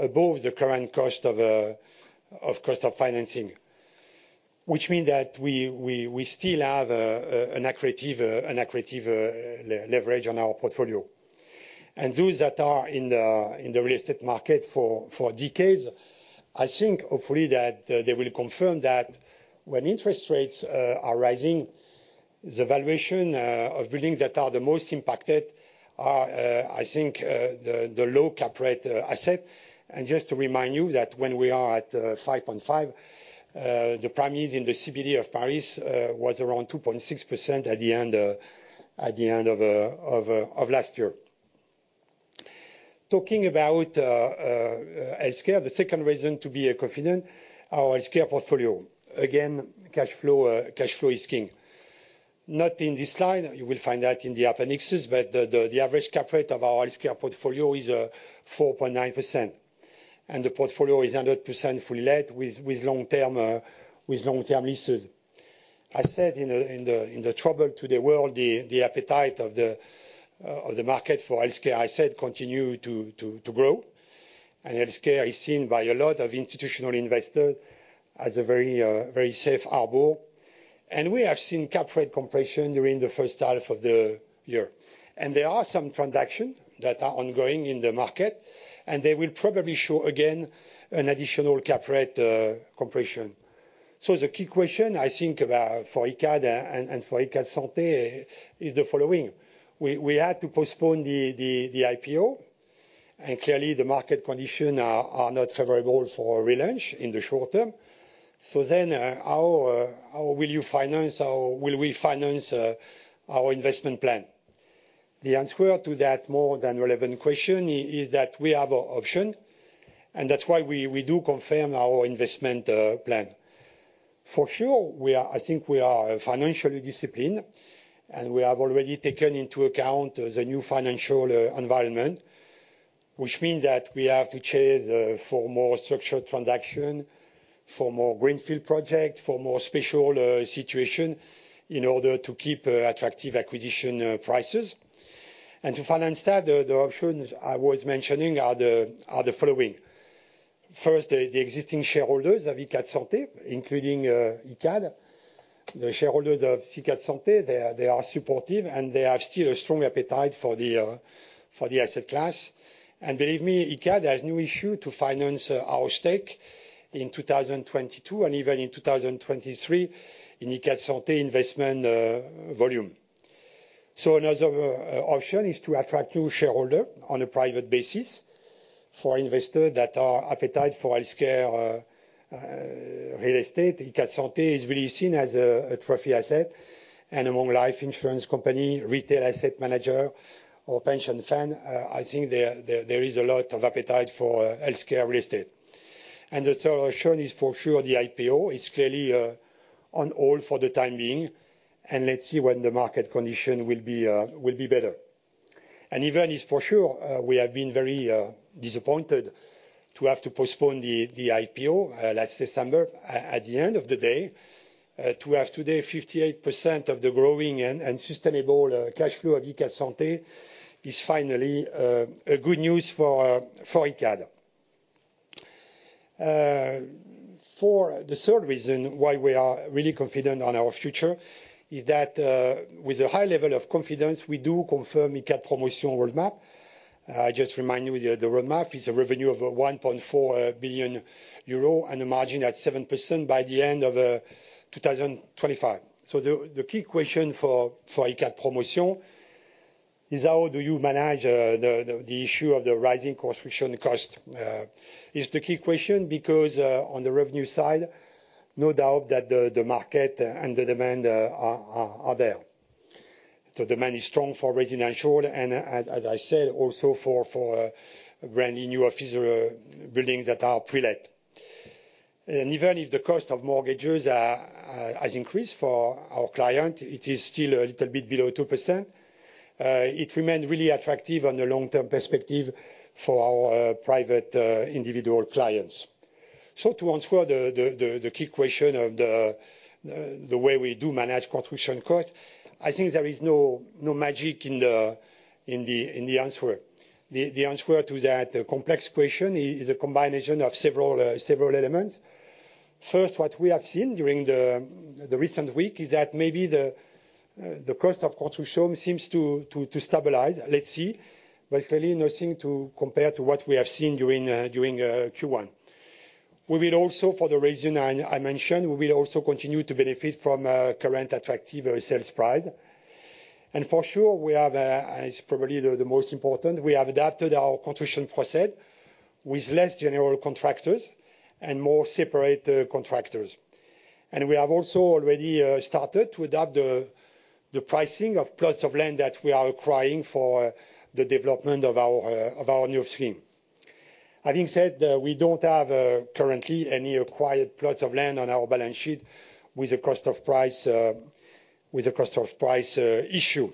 above the current cost of financing. Which means that we still have an accretive leverage on our portfolio. Those that are in the real estate market for decades, I think hopefully that they will confirm that when interest rates are rising, the valuation of buildings that are the most impacted are, I think, the low cap rate asset. Just to remind you that when we are at 5.5%, the prime yields in the CBD of Paris was around 2.6% at the end of last year. Talking about healthcare, the 2nd reason to be confident, our healthcare portfolio. Again, cashflow is king. Not in this slide, you will find that in the appendices, but the average cap rate of our healthcare portfolio is 4.9%, and the portfolio is 100% fully let with long-term leases. Despite the turmoil in the world, the appetite of the market for healthcare continues to grow. Healthcare is seen by a lot of institutional investors as a very safe harbor. We have seen cap rate compression during the 1st half of the year. There are some transactions that are ongoing in the market, and they will probably show again an additional cap rate compression. The key question I think about for Icade and for Icade Santé is the following. We had to postpone the IPO, and clearly the market conditions are not favorable for a relaunch in the short term. How will you finance or will we finance our investment plan? The answer to that more than relevant question is that we have an option, and that's why we do confirm our investment plan. For sure, I think we are financially disciplined, and we have already taken into account the new financial environment, which means that we have to change for more structured transaction. For more greenfield project, for more special situation in order to keep attractive acquisition prices. To finance that, the options I was mentioning are the following. First, the existing shareholders of Icade Santé, including Icade, the shareholders of Icade Santé, they are supportive, and they still have a strong appetite for the asset class. Believe me, Icade has no issue to finance our stake in 2022 and even in 2023 in Icade Santé investment volume. Another option is to attract new shareholders on a private basis for investors that have appetite for healthcare real estate. Icade Santé is really seen as a trophy asset. Among life insurance companies, retail asset managers or pension funds, I think there is a lot of appetite for healthcare real estate. The 3rd option is for sure the IPO is clearly on hold for the time being, and let's see when the market conditions will be better. It is for sure we have been very disappointed to have to postpone the IPO last December. At the end of the day, to have today 58% of the growing and sustainable cash flow of Icade Santé is finally a good news for Icade. For the 3rd reason why we are really confident on our future is that, with a high level of confidence, we do confirm Icade Promotion roadmap. Just remind you the roadmap is a revenue of 1.4 billion euro and a margin at 7% by the end of 2025. The key question for Icade Promotion is how do you manage the issue of the rising construction cost, is the key question because on the revenue side, no doubt that the market and the demand are there. The demand is strong for residential and as I said, also for brand-new office buildings that are pre-let. Even if the cost of mortgages has increased for our client, it is still a little bit below 2%. It remains really attractive on the long-term perspective for our private individual clients. To answer the key question of the way we do manage construction cost, I think there is no magic in the answer. The answer to that complex question is a combination of several elements. First, what we have seen during the recent week is that maybe the cost of construction seems to stabilize. Let's see. Clearly nothing to compare to what we have seen during Q1. We will also, for the reason I mentioned, we will also continue to benefit from current attractive sales price. For sure, we have, and it's probably the most important, we have adapted our construction process with less general contractors and more separate contractors. We have also already started to adapt the pricing of plots of land that we are acquiring for the development of our new scheme. Having said, we don't have currently any acquired plots of land on our balance sheet with the cost of price issue.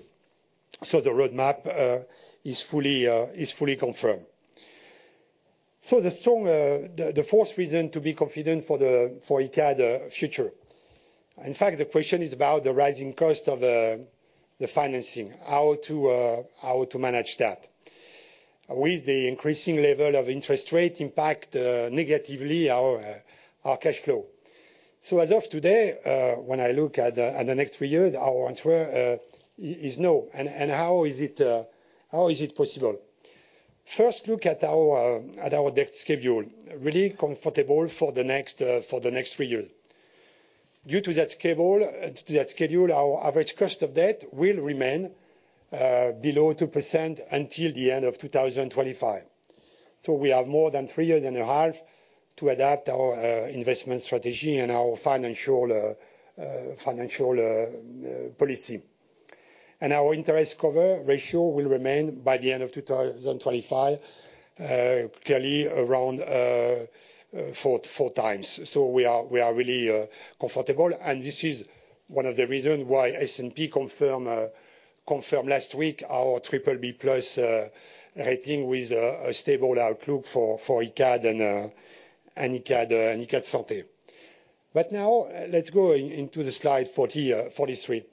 The roadmap is fully confirmed. The 4th reason to be confident for Icade future. In fact, the question is about the rising cost of the financing. How to manage that. Will the increasing level of interest rate impact negatively our cash flow? As of today, when I look at the next three years, our answer is no. How is it possible? First, look at our debt schedule. Really comfortable for the next three years. Due to that schedule, our average cost of debt will remain below 2% until the end of 2025. We have more than three years and a half to adapt our investment strategy and our financial policy. Our interest cover ratio will remain by the end of 2025 clearly around four times. We are really comfortable, and this is one of the reasons why S&P confirmed last week our BBB+ rating with a stable outlook for Icade and Icade Santé. Now let's go into the slide 43.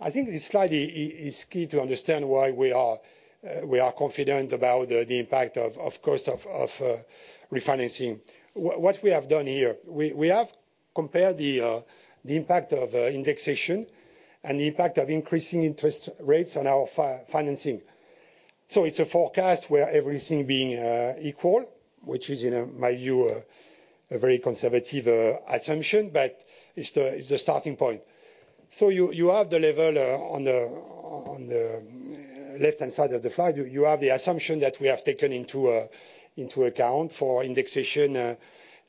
I think this slide is key to understand why we are confident about the impact, of course, of refinancing. What we have done here, we have compared the impact of indexation and the impact of increasing interest rates on our financing. It's a forecast where everything being equal, which is, in my view, a very conservative assumption, but it's the starting point. You have the level on the left-hand side of the slide. You have the assumption that we have taken into account for indexation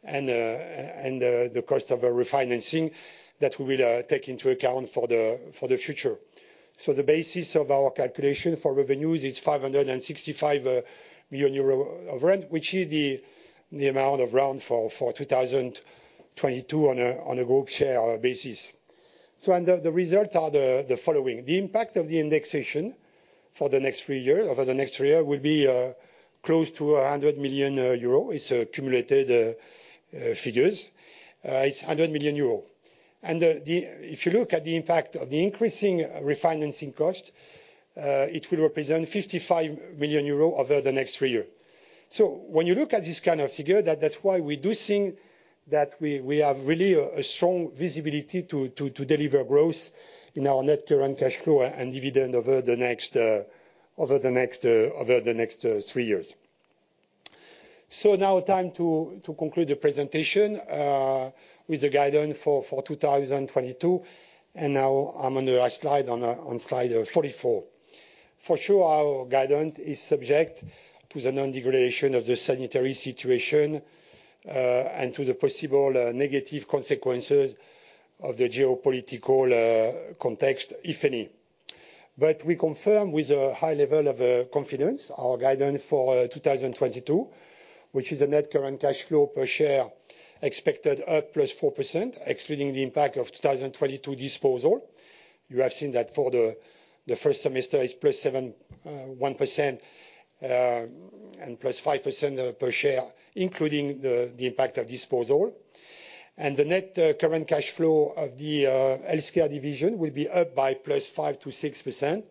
and the cost of a refinancing that we will take into account for the future. The basis of our calculation for revenues is 565 million euros of rent, which is the amount of rent for 2022 on a group share basis. The results are the following. The impact of the indexation for the next three year, over the next three year will be close to 100 million euro. It's cumulated figures. It's 100 million euro. If you look at the impact of the increasing refinancing cost, it will represent 55 million euros over the next three years. When you look at this kind of figure, that's why we do think that we have really a strong visibility to deliver growth in our net current cash flow and dividend over the next three years. Now time to conclude the presentation with the guidance for 2022, and now I'm on the last slide, on slide 44. For sure, our guidance is subject to the non-degradation of the sanitary situation and to the possible negative consequences of the geopolitical context, if any. We confirm with a high level of confidence our guidance for 2022, which is a net current cash flow per share expected up +4%, excluding the impact of 2022 disposal. You have seen that for the 1st semester it's +7.1%, and +5% per share, including the impact of disposal. The net current cash flow of the healthcare division will be up by +5%-6%.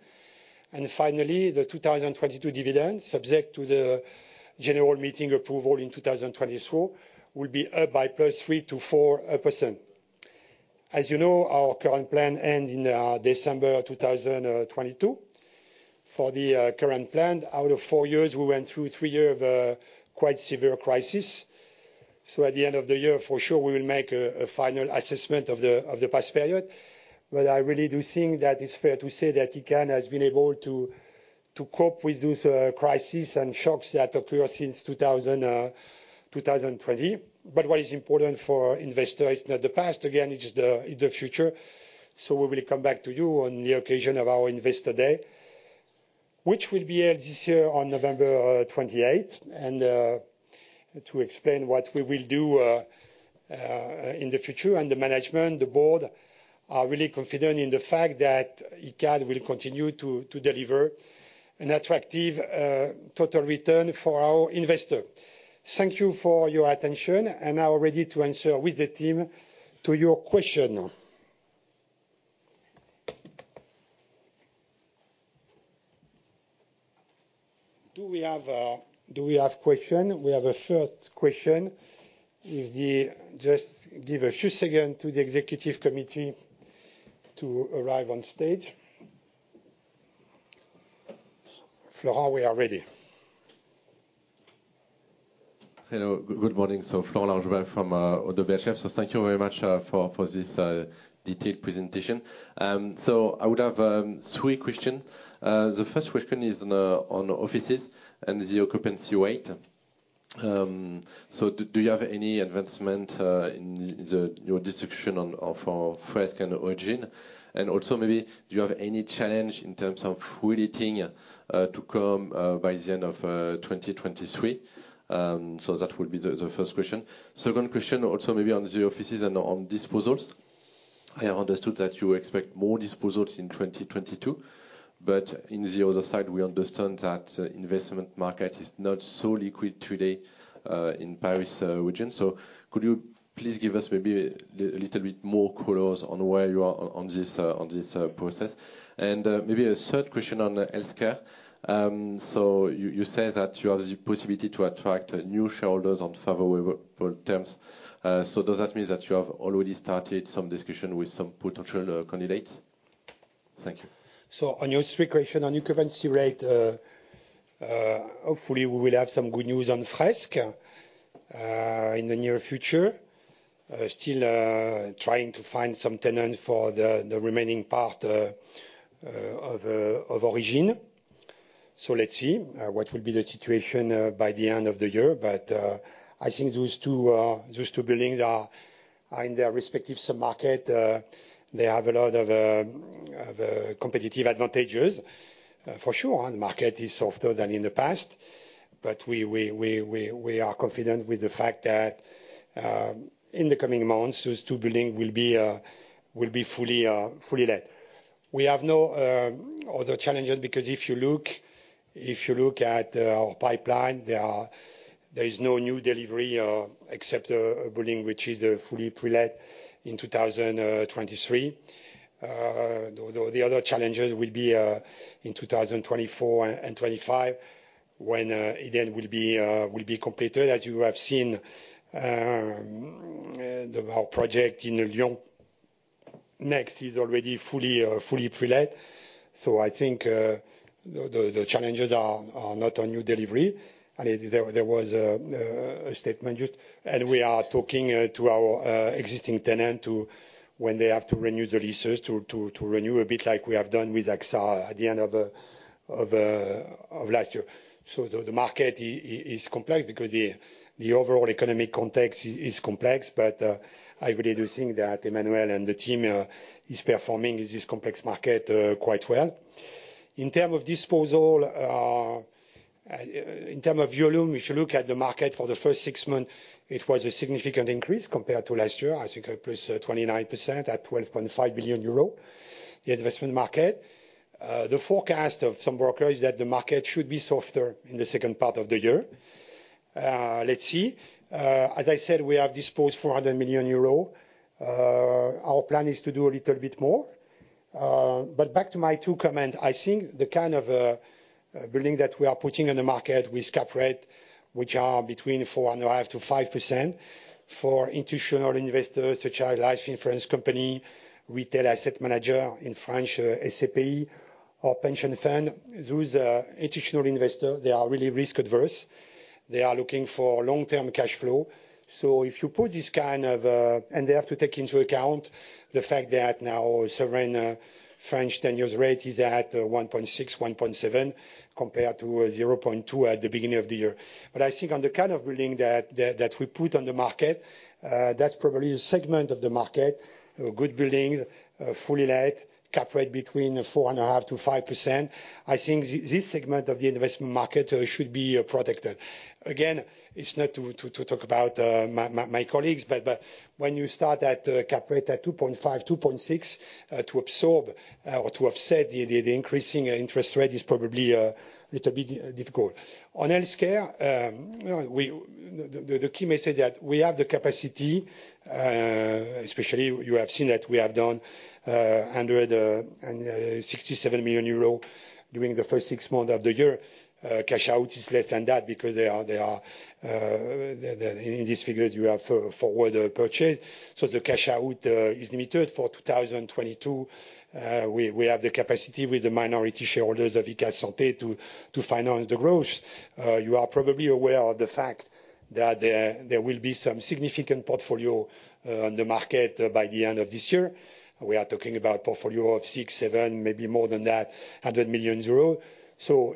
Finally, the 2022 dividends subject to the general meeting approval in 2022 will be up by +3%-4%. As you know, our current plan ends in December 2022. For the current plan, out of four years, we went through three years of a quite severe crisis. At the end of the year, for sure we will make a final assessment of the past period. I really do think that it's fair to say that Icade has been able to cope with this crisis and shocks that occur since 2020. What is important for investors is not the past, again. It is the future. We will come back to you on the occasion of our investor day, which will be this year on November 28th, to explain what we will do in the future. The management, the board are really confident in the fact that Icade will continue to deliver an attractive total return for our investor. Thank you for your attention. Now ready to answer with the team to your question. Do we have a question? We have a 1st question. If we just give a few 2nds to the executive committee to arrive on stage. Florent, we are ready. Hello, good morning. Florent Laroche-Joubert from ODDO BHF. Thank you very much for this detailed presentation. I would have three question. The 1st question is on offices and the occupancy rate. Do you have any advancement in your distribution of Fresk and Origine? And also maybe do you have any challenge in terms of reletting to come by the end of 2023? That would be the 1st question. Second question also maybe on the offices and on disposals. I understood that you expect more disposals in 2022, but on the other side we understand that investment market is not so liquid today in Paris region. Could you please give us maybe a little bit more color on where you are on this process? Maybe a 3rd question on the healthcare. You say that you have the possibility to attract new shareholders on favorable terms. Does that mean that you have already started some discussion with some potential candidates? Thank you. On your 3rd question, on occupancy rate, hopefully we will have some good news on Fresk in the near future. Still trying to find some tenant for the remaining part of Origine. Let's see what will be the situation by the end of the year. I think those two buildings are in their respective sub-market. They have a lot of competitive advantages. For sure, the market is softer than in the past, but we are confident with the fact that in the coming months, those two buildings will be fully let. We have no other challenges because if you look at our pipeline, there is no new delivery except a building which is fully pre-let in 2023. The other challenges will be in 2024 and 2025 when Edenn will be completed. As you have seen, our project in Lyon Next is already fully pre-let. I think the challenges are not on new delivery. We are talking to our existing tenant to when they have to renew the leases to renew a bit like we have done with AXA at the end of last year. The market is complex because the overall economic context is complex. I really do think that Emmanuel and the team is performing in this complex market quite well. In terms of disposal, in terms of volume, if you look at the market for the 1st six months, it was a significant increase compared to last year. I think it was 29% at 12.5 billion euro, the investment market. The forecast of some brokers is that the market should be softer in the 2nd part of the year. Let's see. As I said, we have disposed 400 million euro. Our plan is to do a little bit more. Back to my two comment, I think the kind of building that we are putting in the market with cap rate, which are between 4.5%-5% for institutional investors such as life insurance company, retail asset manager in France, SCPI or pension fund, those institutional investors, they are really risk averse. They are looking for long-term cash flow. If you put this kind of, they have to take into account the fact that now sovereign French 10-year rate is at 1.6%, 1.7%, compared to 0.2% at the beginning of the year. I think on the kind of building that we put on the market, that's probably a segment of the market. A good building, fully let, cap rate between 4.5%-5%. I think this segment of the investment market should be protected. Again, it's not to talk about my colleagues, but when you start at a cap rate at 2.5%, 2.6% to absorb or to offset the increasing interest rate is probably a little bit difficult. On healthcare, the key message that we have the capacity, especially you have seen that we have done 167 million euros during the 1st six months of the year. Cash out is less than that because there are forward purchase. In these figures you have forward purchase, so the cash out is limited. For 2022, we have the capacity with the minority shareholders of Icade Santé to finance the growth. You are probably aware of the fact that there will be some significant portfolio on the market by the end of this year. We are talking about a portfolio of 600 million-700 million, maybe more than that.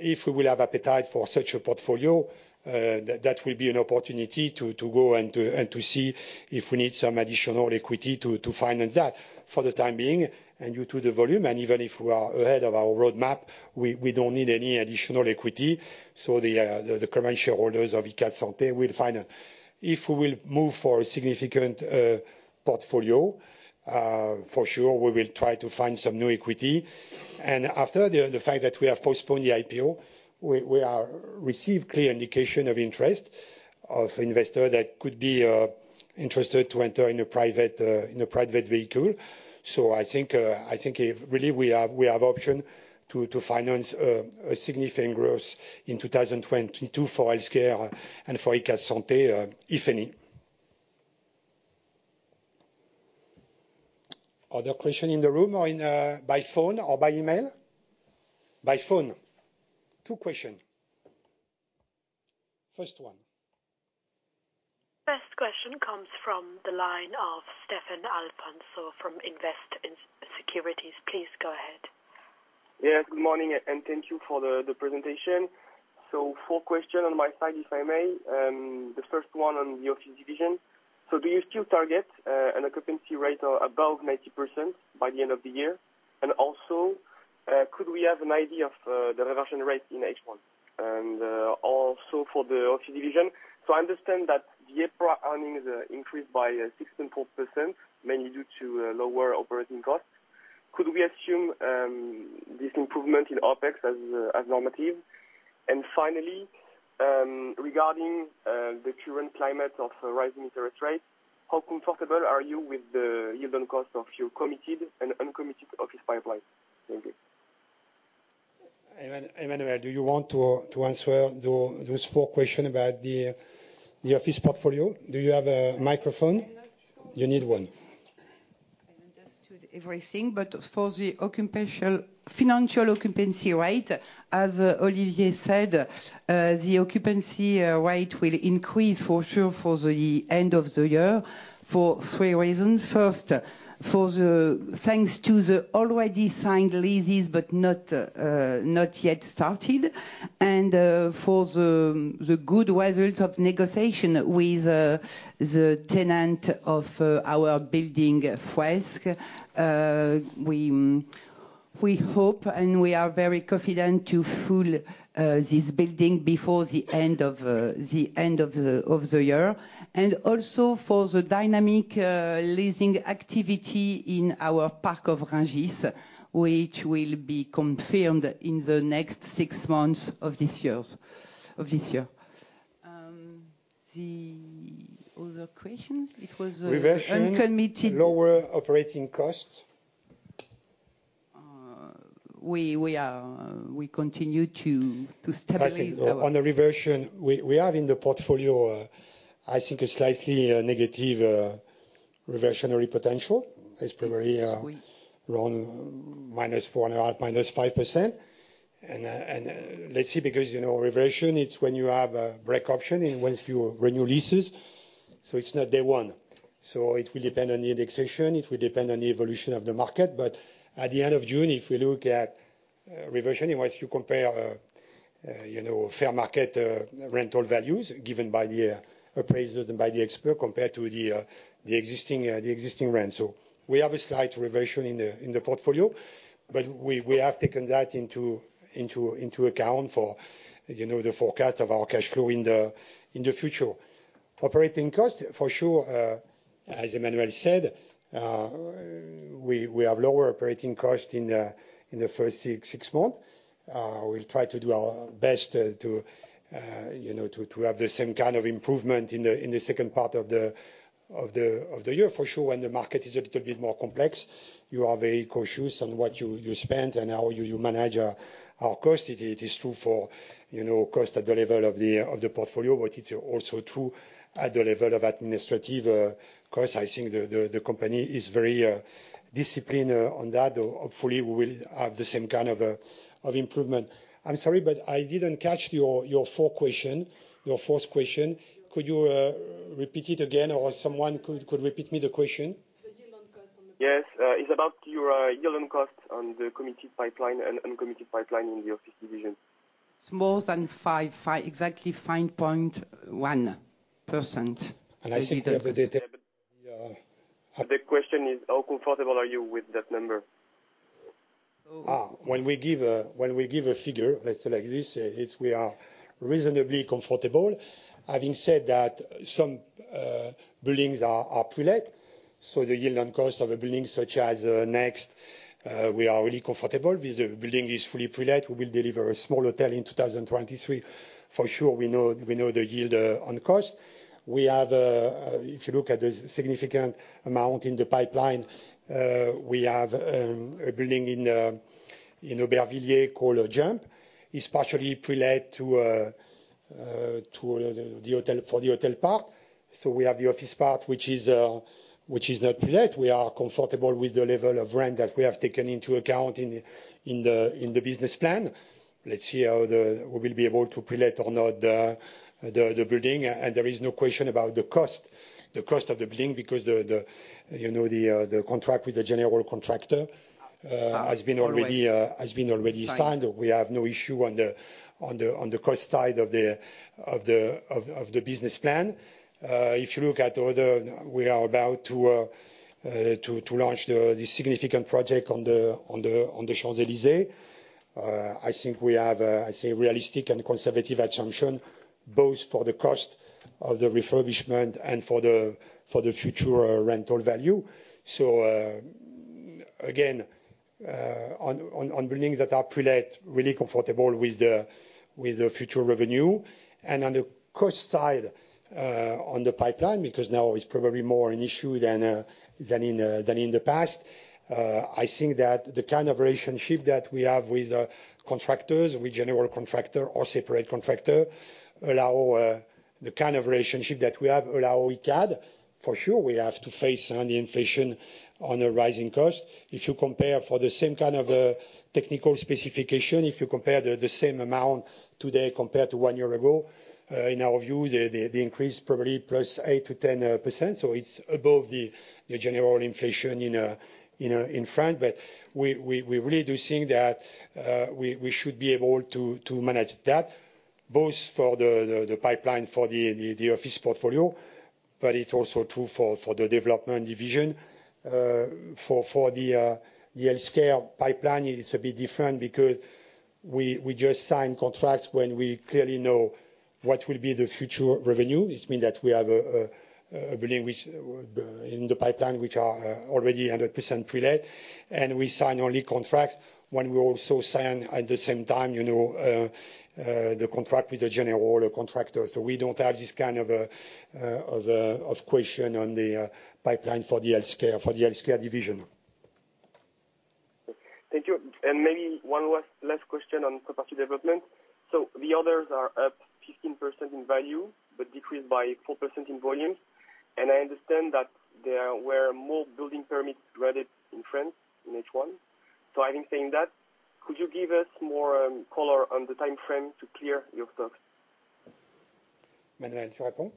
If we will have appetite for such a portfolio, that will be an opportunity to go and to see if we need some additional equity to finance that. For the time being, and due to the volume, and even if we are ahead of our roadmap, we don't need any additional equity. The current shareholders of Icade Santé will finance. If we will move for a significant portfolio, for sure we will try to find some new equity. After the fact that we have postponed the IPO, we have received clear indication of interest of investor that could be interested to enter in a private vehicle. I think if really we have option to finance a significant growth in 2022 for healthcare and for Icade Santé, if any. Any other question in the room or in by phone or by email? By phone. Two questions. First one. First question comes from the line of Stéphane Afonso from Invest Securities. Please go ahead. Yeah, good morning and thank you for the presentation. Four questions on my side, if I may. The 1st one on the office division. Do you still target an occupancy rate of above 90% by the end of the year? And also, could we have an idea of the reversion rate in H1? And also for the office division, I understand that the EPRA earnings increased by 6.4% mainly due to lower operating costs. Could we assume this improvement in OpEx as normative? And finally, regarding the current climate of rising interest rates, how comfortable are you with the yield on cost of your committed and uncommitted office pipelines? Thank you. 4th, do you want to answer those four question about the office portfolio? Do you have a microphone? You need one. I understood everything, but for the financial occupancy rate, as Olivier said, the occupancy rate will increase for sure by the end of the year, for three reasons. First, thanks to the already signed leases, but not yet started. For the good results of negotiation with the tenant of our building Fresk. We hope and we are very confident to fill this building before the end of the year. Also for the dynamic leasing activity in our park of Rungis, which will be confirmed in the next six months of this year. The other question, it was- Reversion- Uncommitted- Lower operating cost. We continue to stabilize the I think on the reversion we have in the portfolio, I think a slightly negative reversionary potential. It's probably around -4.5% to -5%. Let's see, because, you know, reversion, it's when you have a break option and once you renew leases, so it's not day one. It will depend on the indexation, it will depend on the evolution of the market. But at the end of June, if we look at reversion, in which you compare, you know, fair market rental values given by the appraisers and by the expert compared to the existing rental. We have a slight reversion in the portfolio, but we have taken that into account for, you know, the forecast of our cash flow in the future. Operating costs, for sure, as Emmanuel said, we have lower operating costs in the 1st six months. We'll try to do our best to, you know, to have the same kind of improvement in the 2nd part of the year, for sure, when the market is a little bit more complex. You are very cautious on what you spend and how you manage our cost. It is true for, you know, cost at the level of the portfolio, but it's also true at the level of administrative cost. I think the company is very disciplined on that. Hopefully, we will have the same kind of improvement. I'm sorry, but I didn't catch your 4th question. Could you repeat it again, or someone could repeat me the question? The yield on cost. Yes, it's about your yield on cost on the committed pipeline and uncommitted pipeline in the office division. It's more than 5%, exactly 5.1%. I think we have the detail. The question is, how comfortable are you with that number? When we give a figure, let's say like this, it's we are reasonably comfortable. Having said that, some buildings are pre-let, so the yield on cost of a building such as Next, we are really comfortable because the building is fully pre-let. We will deliver a small hotel in 2023. For sure, we know the yield on cost. If you look at the significant amount in the pipeline, we have a building in Aubervilliers called Jump. It's partially pre-let to the hotel, for the hotel part. So we have the office part, which is not pre-let. We are comfortable with the level of rent that we have taken into account in the business plan. Let's see how we will be able to pre-let or not the building. There is no question about the cost of the building, because you know the contract with the general contractor. Always- Has been already signed. We have no issue on the cost side of the business plan. If you look at the other, we are about to launch the significant project on the Champs-Élysées. I think we have a, I say, realistic and conservative assumption, both for the cost of the refurbishment and for the future rental value. Again, on buildings that are pre-let, really comfortable with the future revenue. On the cost side, on the pipeline, because now it's probably more an issue than in the past, I think that the kind of relationship that we have with contractors, with general contractor or separate contractor, allow Icade. For sure, we have to face the inflation and the rising cost. If you compare for the same kind of technical specification, the same amount today compared to one year ago, in our view, the increase probably +8%-10%, so it's above the general inflation in France. We really do think that we should be able to manage that, both for the pipeline for the office portfolio, but it's also true for the development division. The healthcare pipeline is a bit different because we just sign contracts when we clearly know what will be the future revenue. This mean that we have a building which in the pipeline which are already 100% pre-let. We sign only contract when we also sign at the same time, you know, the contract with the general contractor. We don't have this kind of a question on the pipeline for the healthcare division. Thank you. Maybe one last question on property development. The others are up 15% in value but decreased by 4% in volume. I understand that there were more building permits granted in France in H1. Having said that, could you give us more color on the timeframe to clear your stocks? Emmanuel, do you want to respond?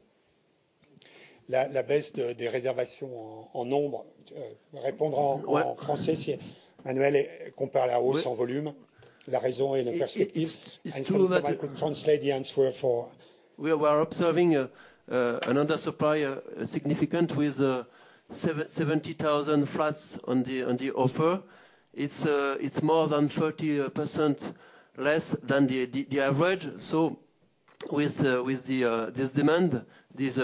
La base de réservation en nombre. Respond in français. Emmanuel, compare la hausse en volume. La raison est- It's true that. We are observing another supplier significant with 70,000 flats on the offer. It's more than 30% less than the average. With this demand, with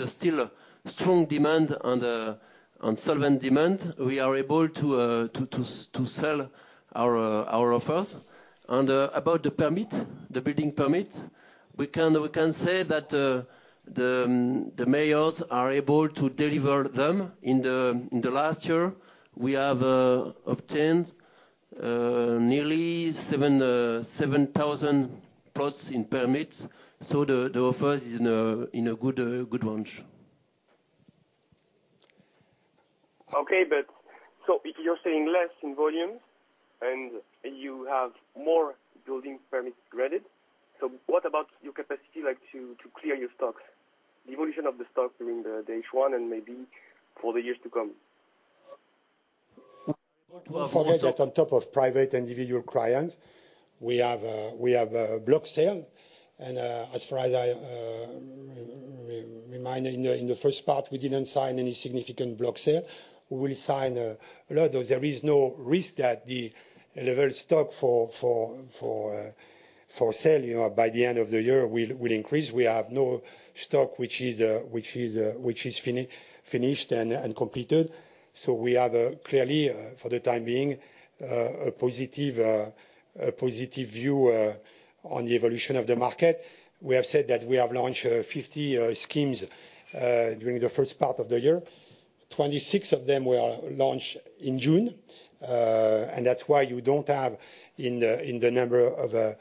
a still strong demand on the solvent demand, we are able to sell our offers. About the permit, the building permit, we can say that the mayors are able to deliver them. In the last year, we have obtained nearly 7,000 plots in permits. The offer is in a good range. Okay, if you're saying less in volumes and you have more building permits granted, what about your capacity, like, to clear your stocks? The evolution of the stock during the H1 and maybe for the years to come. Don't forget that on top of private individual clients, we have a block sale, and as far as I remember in the 1st part, we didn't sign any significant block sale. We'll sign a lot. There is no risk that the level of stock for sale, you know, by the end of the year will increase. We have no stock which is finished and completed. We have clearly, for the time being, a positive view on the evolution of the market. We have said that we have launched 50 schemes during the 1st part of the year. 26 of them were launched in June, and that's why you don't have in the number of,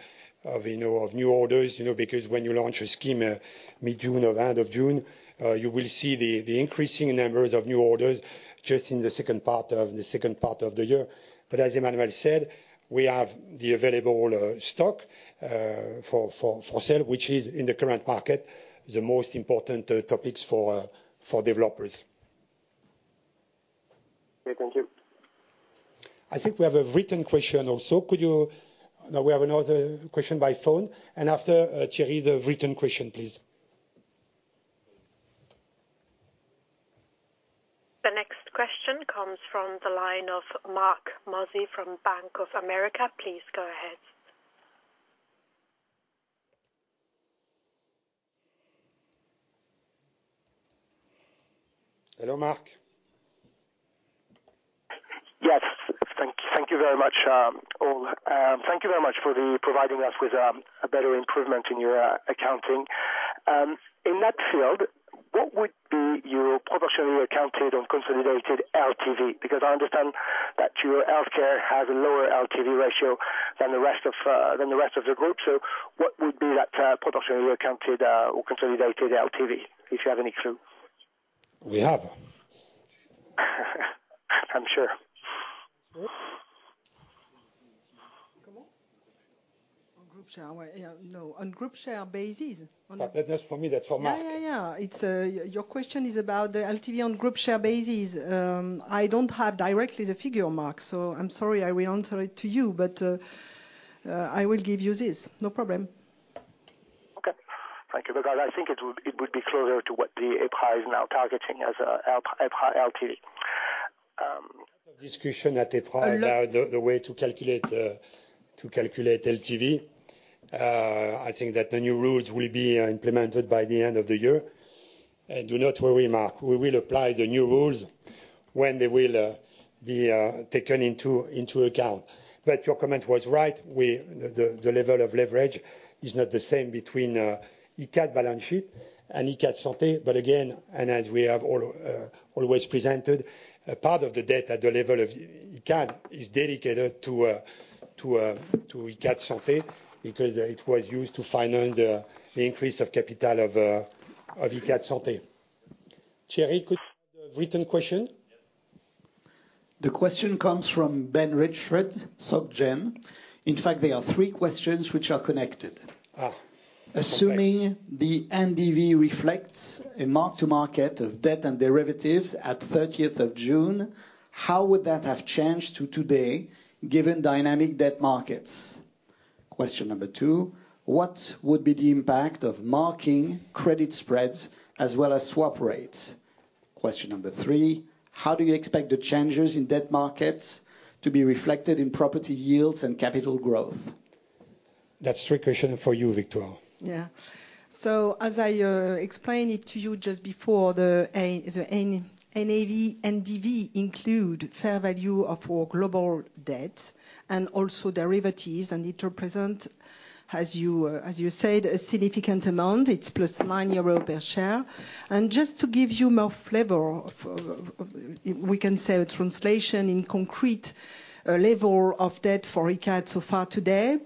you know, of new orders, you know, because when you launch a scheme, mid-June or end of June, you will see the increasing numbers of new orders just in the 2nd part of the year. As Emmanuel said, we have the available stock for sale, which is, in the current market, the most important topics for developers. Okay, thank you. I think we have a written question also. No, we have another question by phone, and after, Jerry, the written question, please. The next question comes from the line of Marc Mozzi from Bank of America. Please go ahead. Hello, Marc. Yes. Thank you very much, all. Thank you very much for providing us with a better improvement in your accounting. In that field, what would be your pro forma consolidated LTV? Because I understand that your healthcare has a lower LTV ratio than the rest of the group, so what would be that pro forma or consolidated LTV, if you have any clue? We have. I'm sure. What? Come on. On group share, yeah, no. On group share basis. That's for me. That's for Marc. Yeah. It's your question is about the LTV on group share basis. I don't have directly the figure, Marc, so I'm sorry I will answer it to you. I will give you this. No problem. Okay. Thank you. Because I think it would be closer to what the EPRA is now targeting as EPRA LTV. Discussion at APA about the way to calculate LTV. I think that the new rules will be implemented by the end of the year. Do not worry, Marc. We will apply the new rules when they will be taken into account. Your comment was right. The level of leverage is not the same between Icade balance sheet and Icade Santé. Again, and as we have always presented, a part of the debt at the level of Icade is dedicated to Icade Santé because it was used to finance the increase of capital of Icade Santé. Jerry, could you read the written question? The question comes from Ben Richford, Societe Generale. In fact, there are three questions which are connected. Complex. Assuming the NDV reflects a mark to market of debt and derivatives at 13th of June, how would that have changed to today, given dynamic debt markets? Question number two, what would be the impact of marking credit spreads as well as swap rates? Question number three, how do you expect the changes in debt markets to be reflected in property yields and capital growth? That's three question for you, Victoire. As I explained it to you just before, the NAV, NDV include fair value of our global debt and also derivatives, and it represent, as you said, a significant amount. It's +9 euro per share. Just to give you more flavor of, we can say a translation in concrete level of debt for Icade so far today,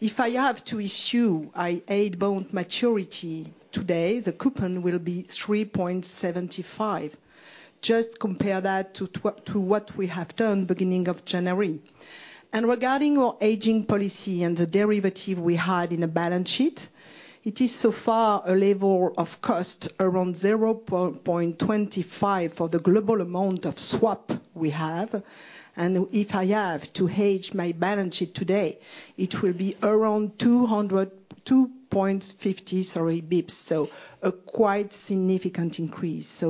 if I have to issue an eight-year bond maturity today, the coupon will be 3.75%. Just compare that to what we have done beginning of January. Regarding our hedging policy and the derivative we had in the balance sheet, it is so far a level of cost around 0.25% for the global amount of swap we have. If I have to hedge my balance sheet today, it will be around 200 basis points-250 basis points. A quite significant increase.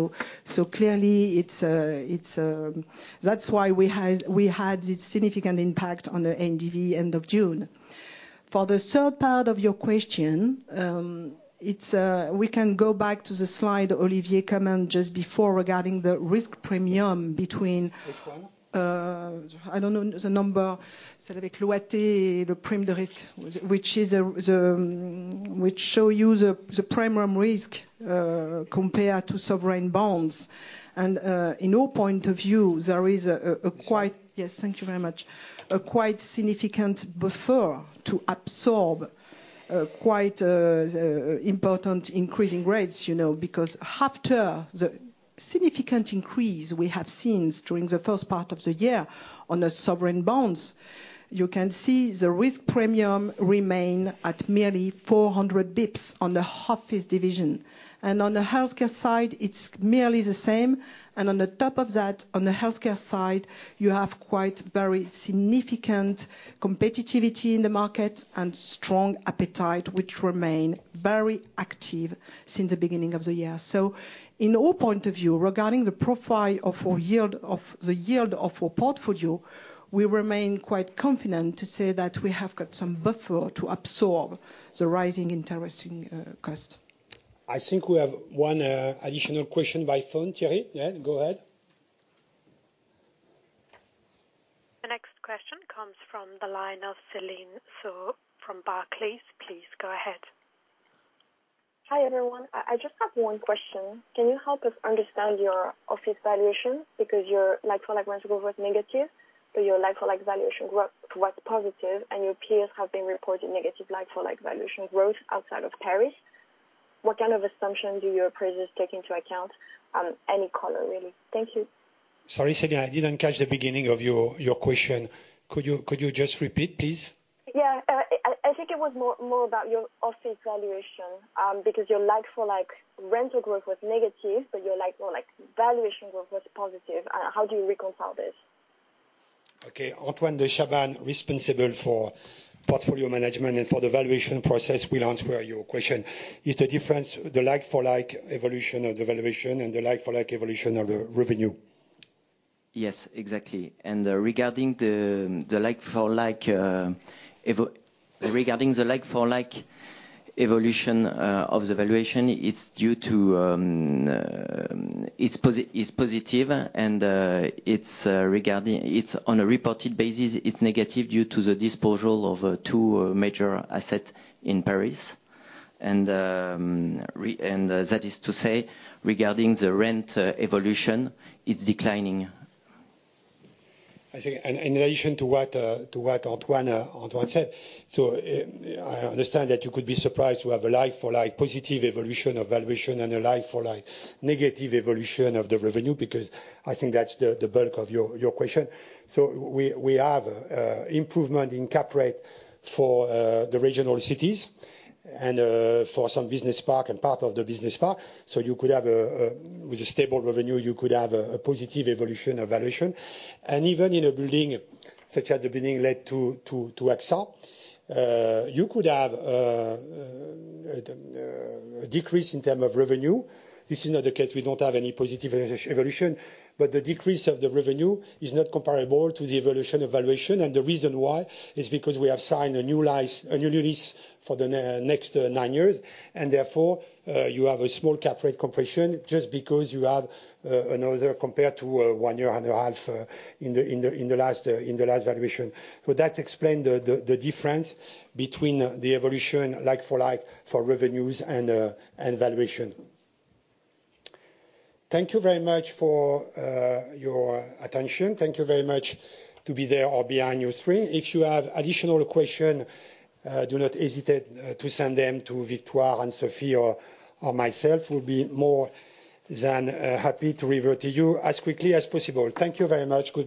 Clearly it's that's why we had this significant impact on the NDV end of June. For the 3rd part of your question, it's we can go back to the slide Olivier comment just before regarding the risk premium between- Which one? I don't know the number, which shows you the risk premium compared to sovereign bonds. In our point of view, there is a quite- This one. Yes. Thank you very much. A quite significant buffer to absorb, quite, the important increasing rates, you know. After the significant increase we have seen during the 1st part of the year on the sovereign bonds. You can see the risk premium remain at merely 400 basis points on the offices division. On the healthcare side, it's merely the same. On top of that, on the healthcare side, you have quite very significant competitiveness in the market and strong appetite which remain very active since the beginning of the year. In our point of view, regarding the profile of our yield, of the yield of our portfolio, we remain quite confident to say that we have got some buffer to absorb the rising interest, cost. I think we have one additional question by phone. Jerry, yeah, go ahead. The next question comes from the line of Céline Soo-Huynh from Barclays. Please go ahead. Hi, everyone. I just have one question. Can you help us understand your office valuation? Because your like-for-like rental growth was negative, but your like-for-like valuation was positive, and your peers have been reporting negative like-for-like valuation growth outside of Paris. What kind of assumption do your appraisers take into account? Any color, really. Thank you. Sorry, Céline, I didn't catch the beginning of your question. Could you just repeat, please? Yeah. I think it was more about your office valuation, because your like-for-like rental growth was negative, but your like-for-like valuation growth was positive. How do you reconcile this? Okay. Antoine de Chabannes, responsible for portfolio management and for the valuation process will answer your question. Is the difference the like-for-like evolution of the valuation and the like-for-like evolution of the revenue? Yes, exactly. Regarding the like-for-like evolution of the valuation, it's positive. It's on a reported basis, it's negative due to the disposal of two major assets in Paris. That is to say, regarding the rent evolution, it's declining. I think in addition to what Antoine said. I understand that you could be surprised to have a like-for-like positive evolution of valuation and a like-for-like negative evolution of the revenue, because I think that's the bulk of your question. We have improvement in cap rate for the regional cities and for some business park and part of the business park. You could have with a stable revenue a positive evolution evaluation. Even in a building such as the building let to AXA you could have a decrease in term of revenue. This is not the case, we don't have any positive evolution. The decrease of the revenue is not comparable to the evolution evaluation. The reason why is because we have signed a new lease for the Next, nine years, and therefore, you have a small cap rate compression just because you have another compared to one year and a half in the last valuation. That explain the difference between the evolution like-for-like for revenues and valuation. Thank you very much for your attention. Thank you very much to be there or behind your screen. If you have additional question, do not hesitate to send them to Victoire and Sophie or myself, we'll be more than happy to revert to you as quickly as possible. Thank you very much. Good evening.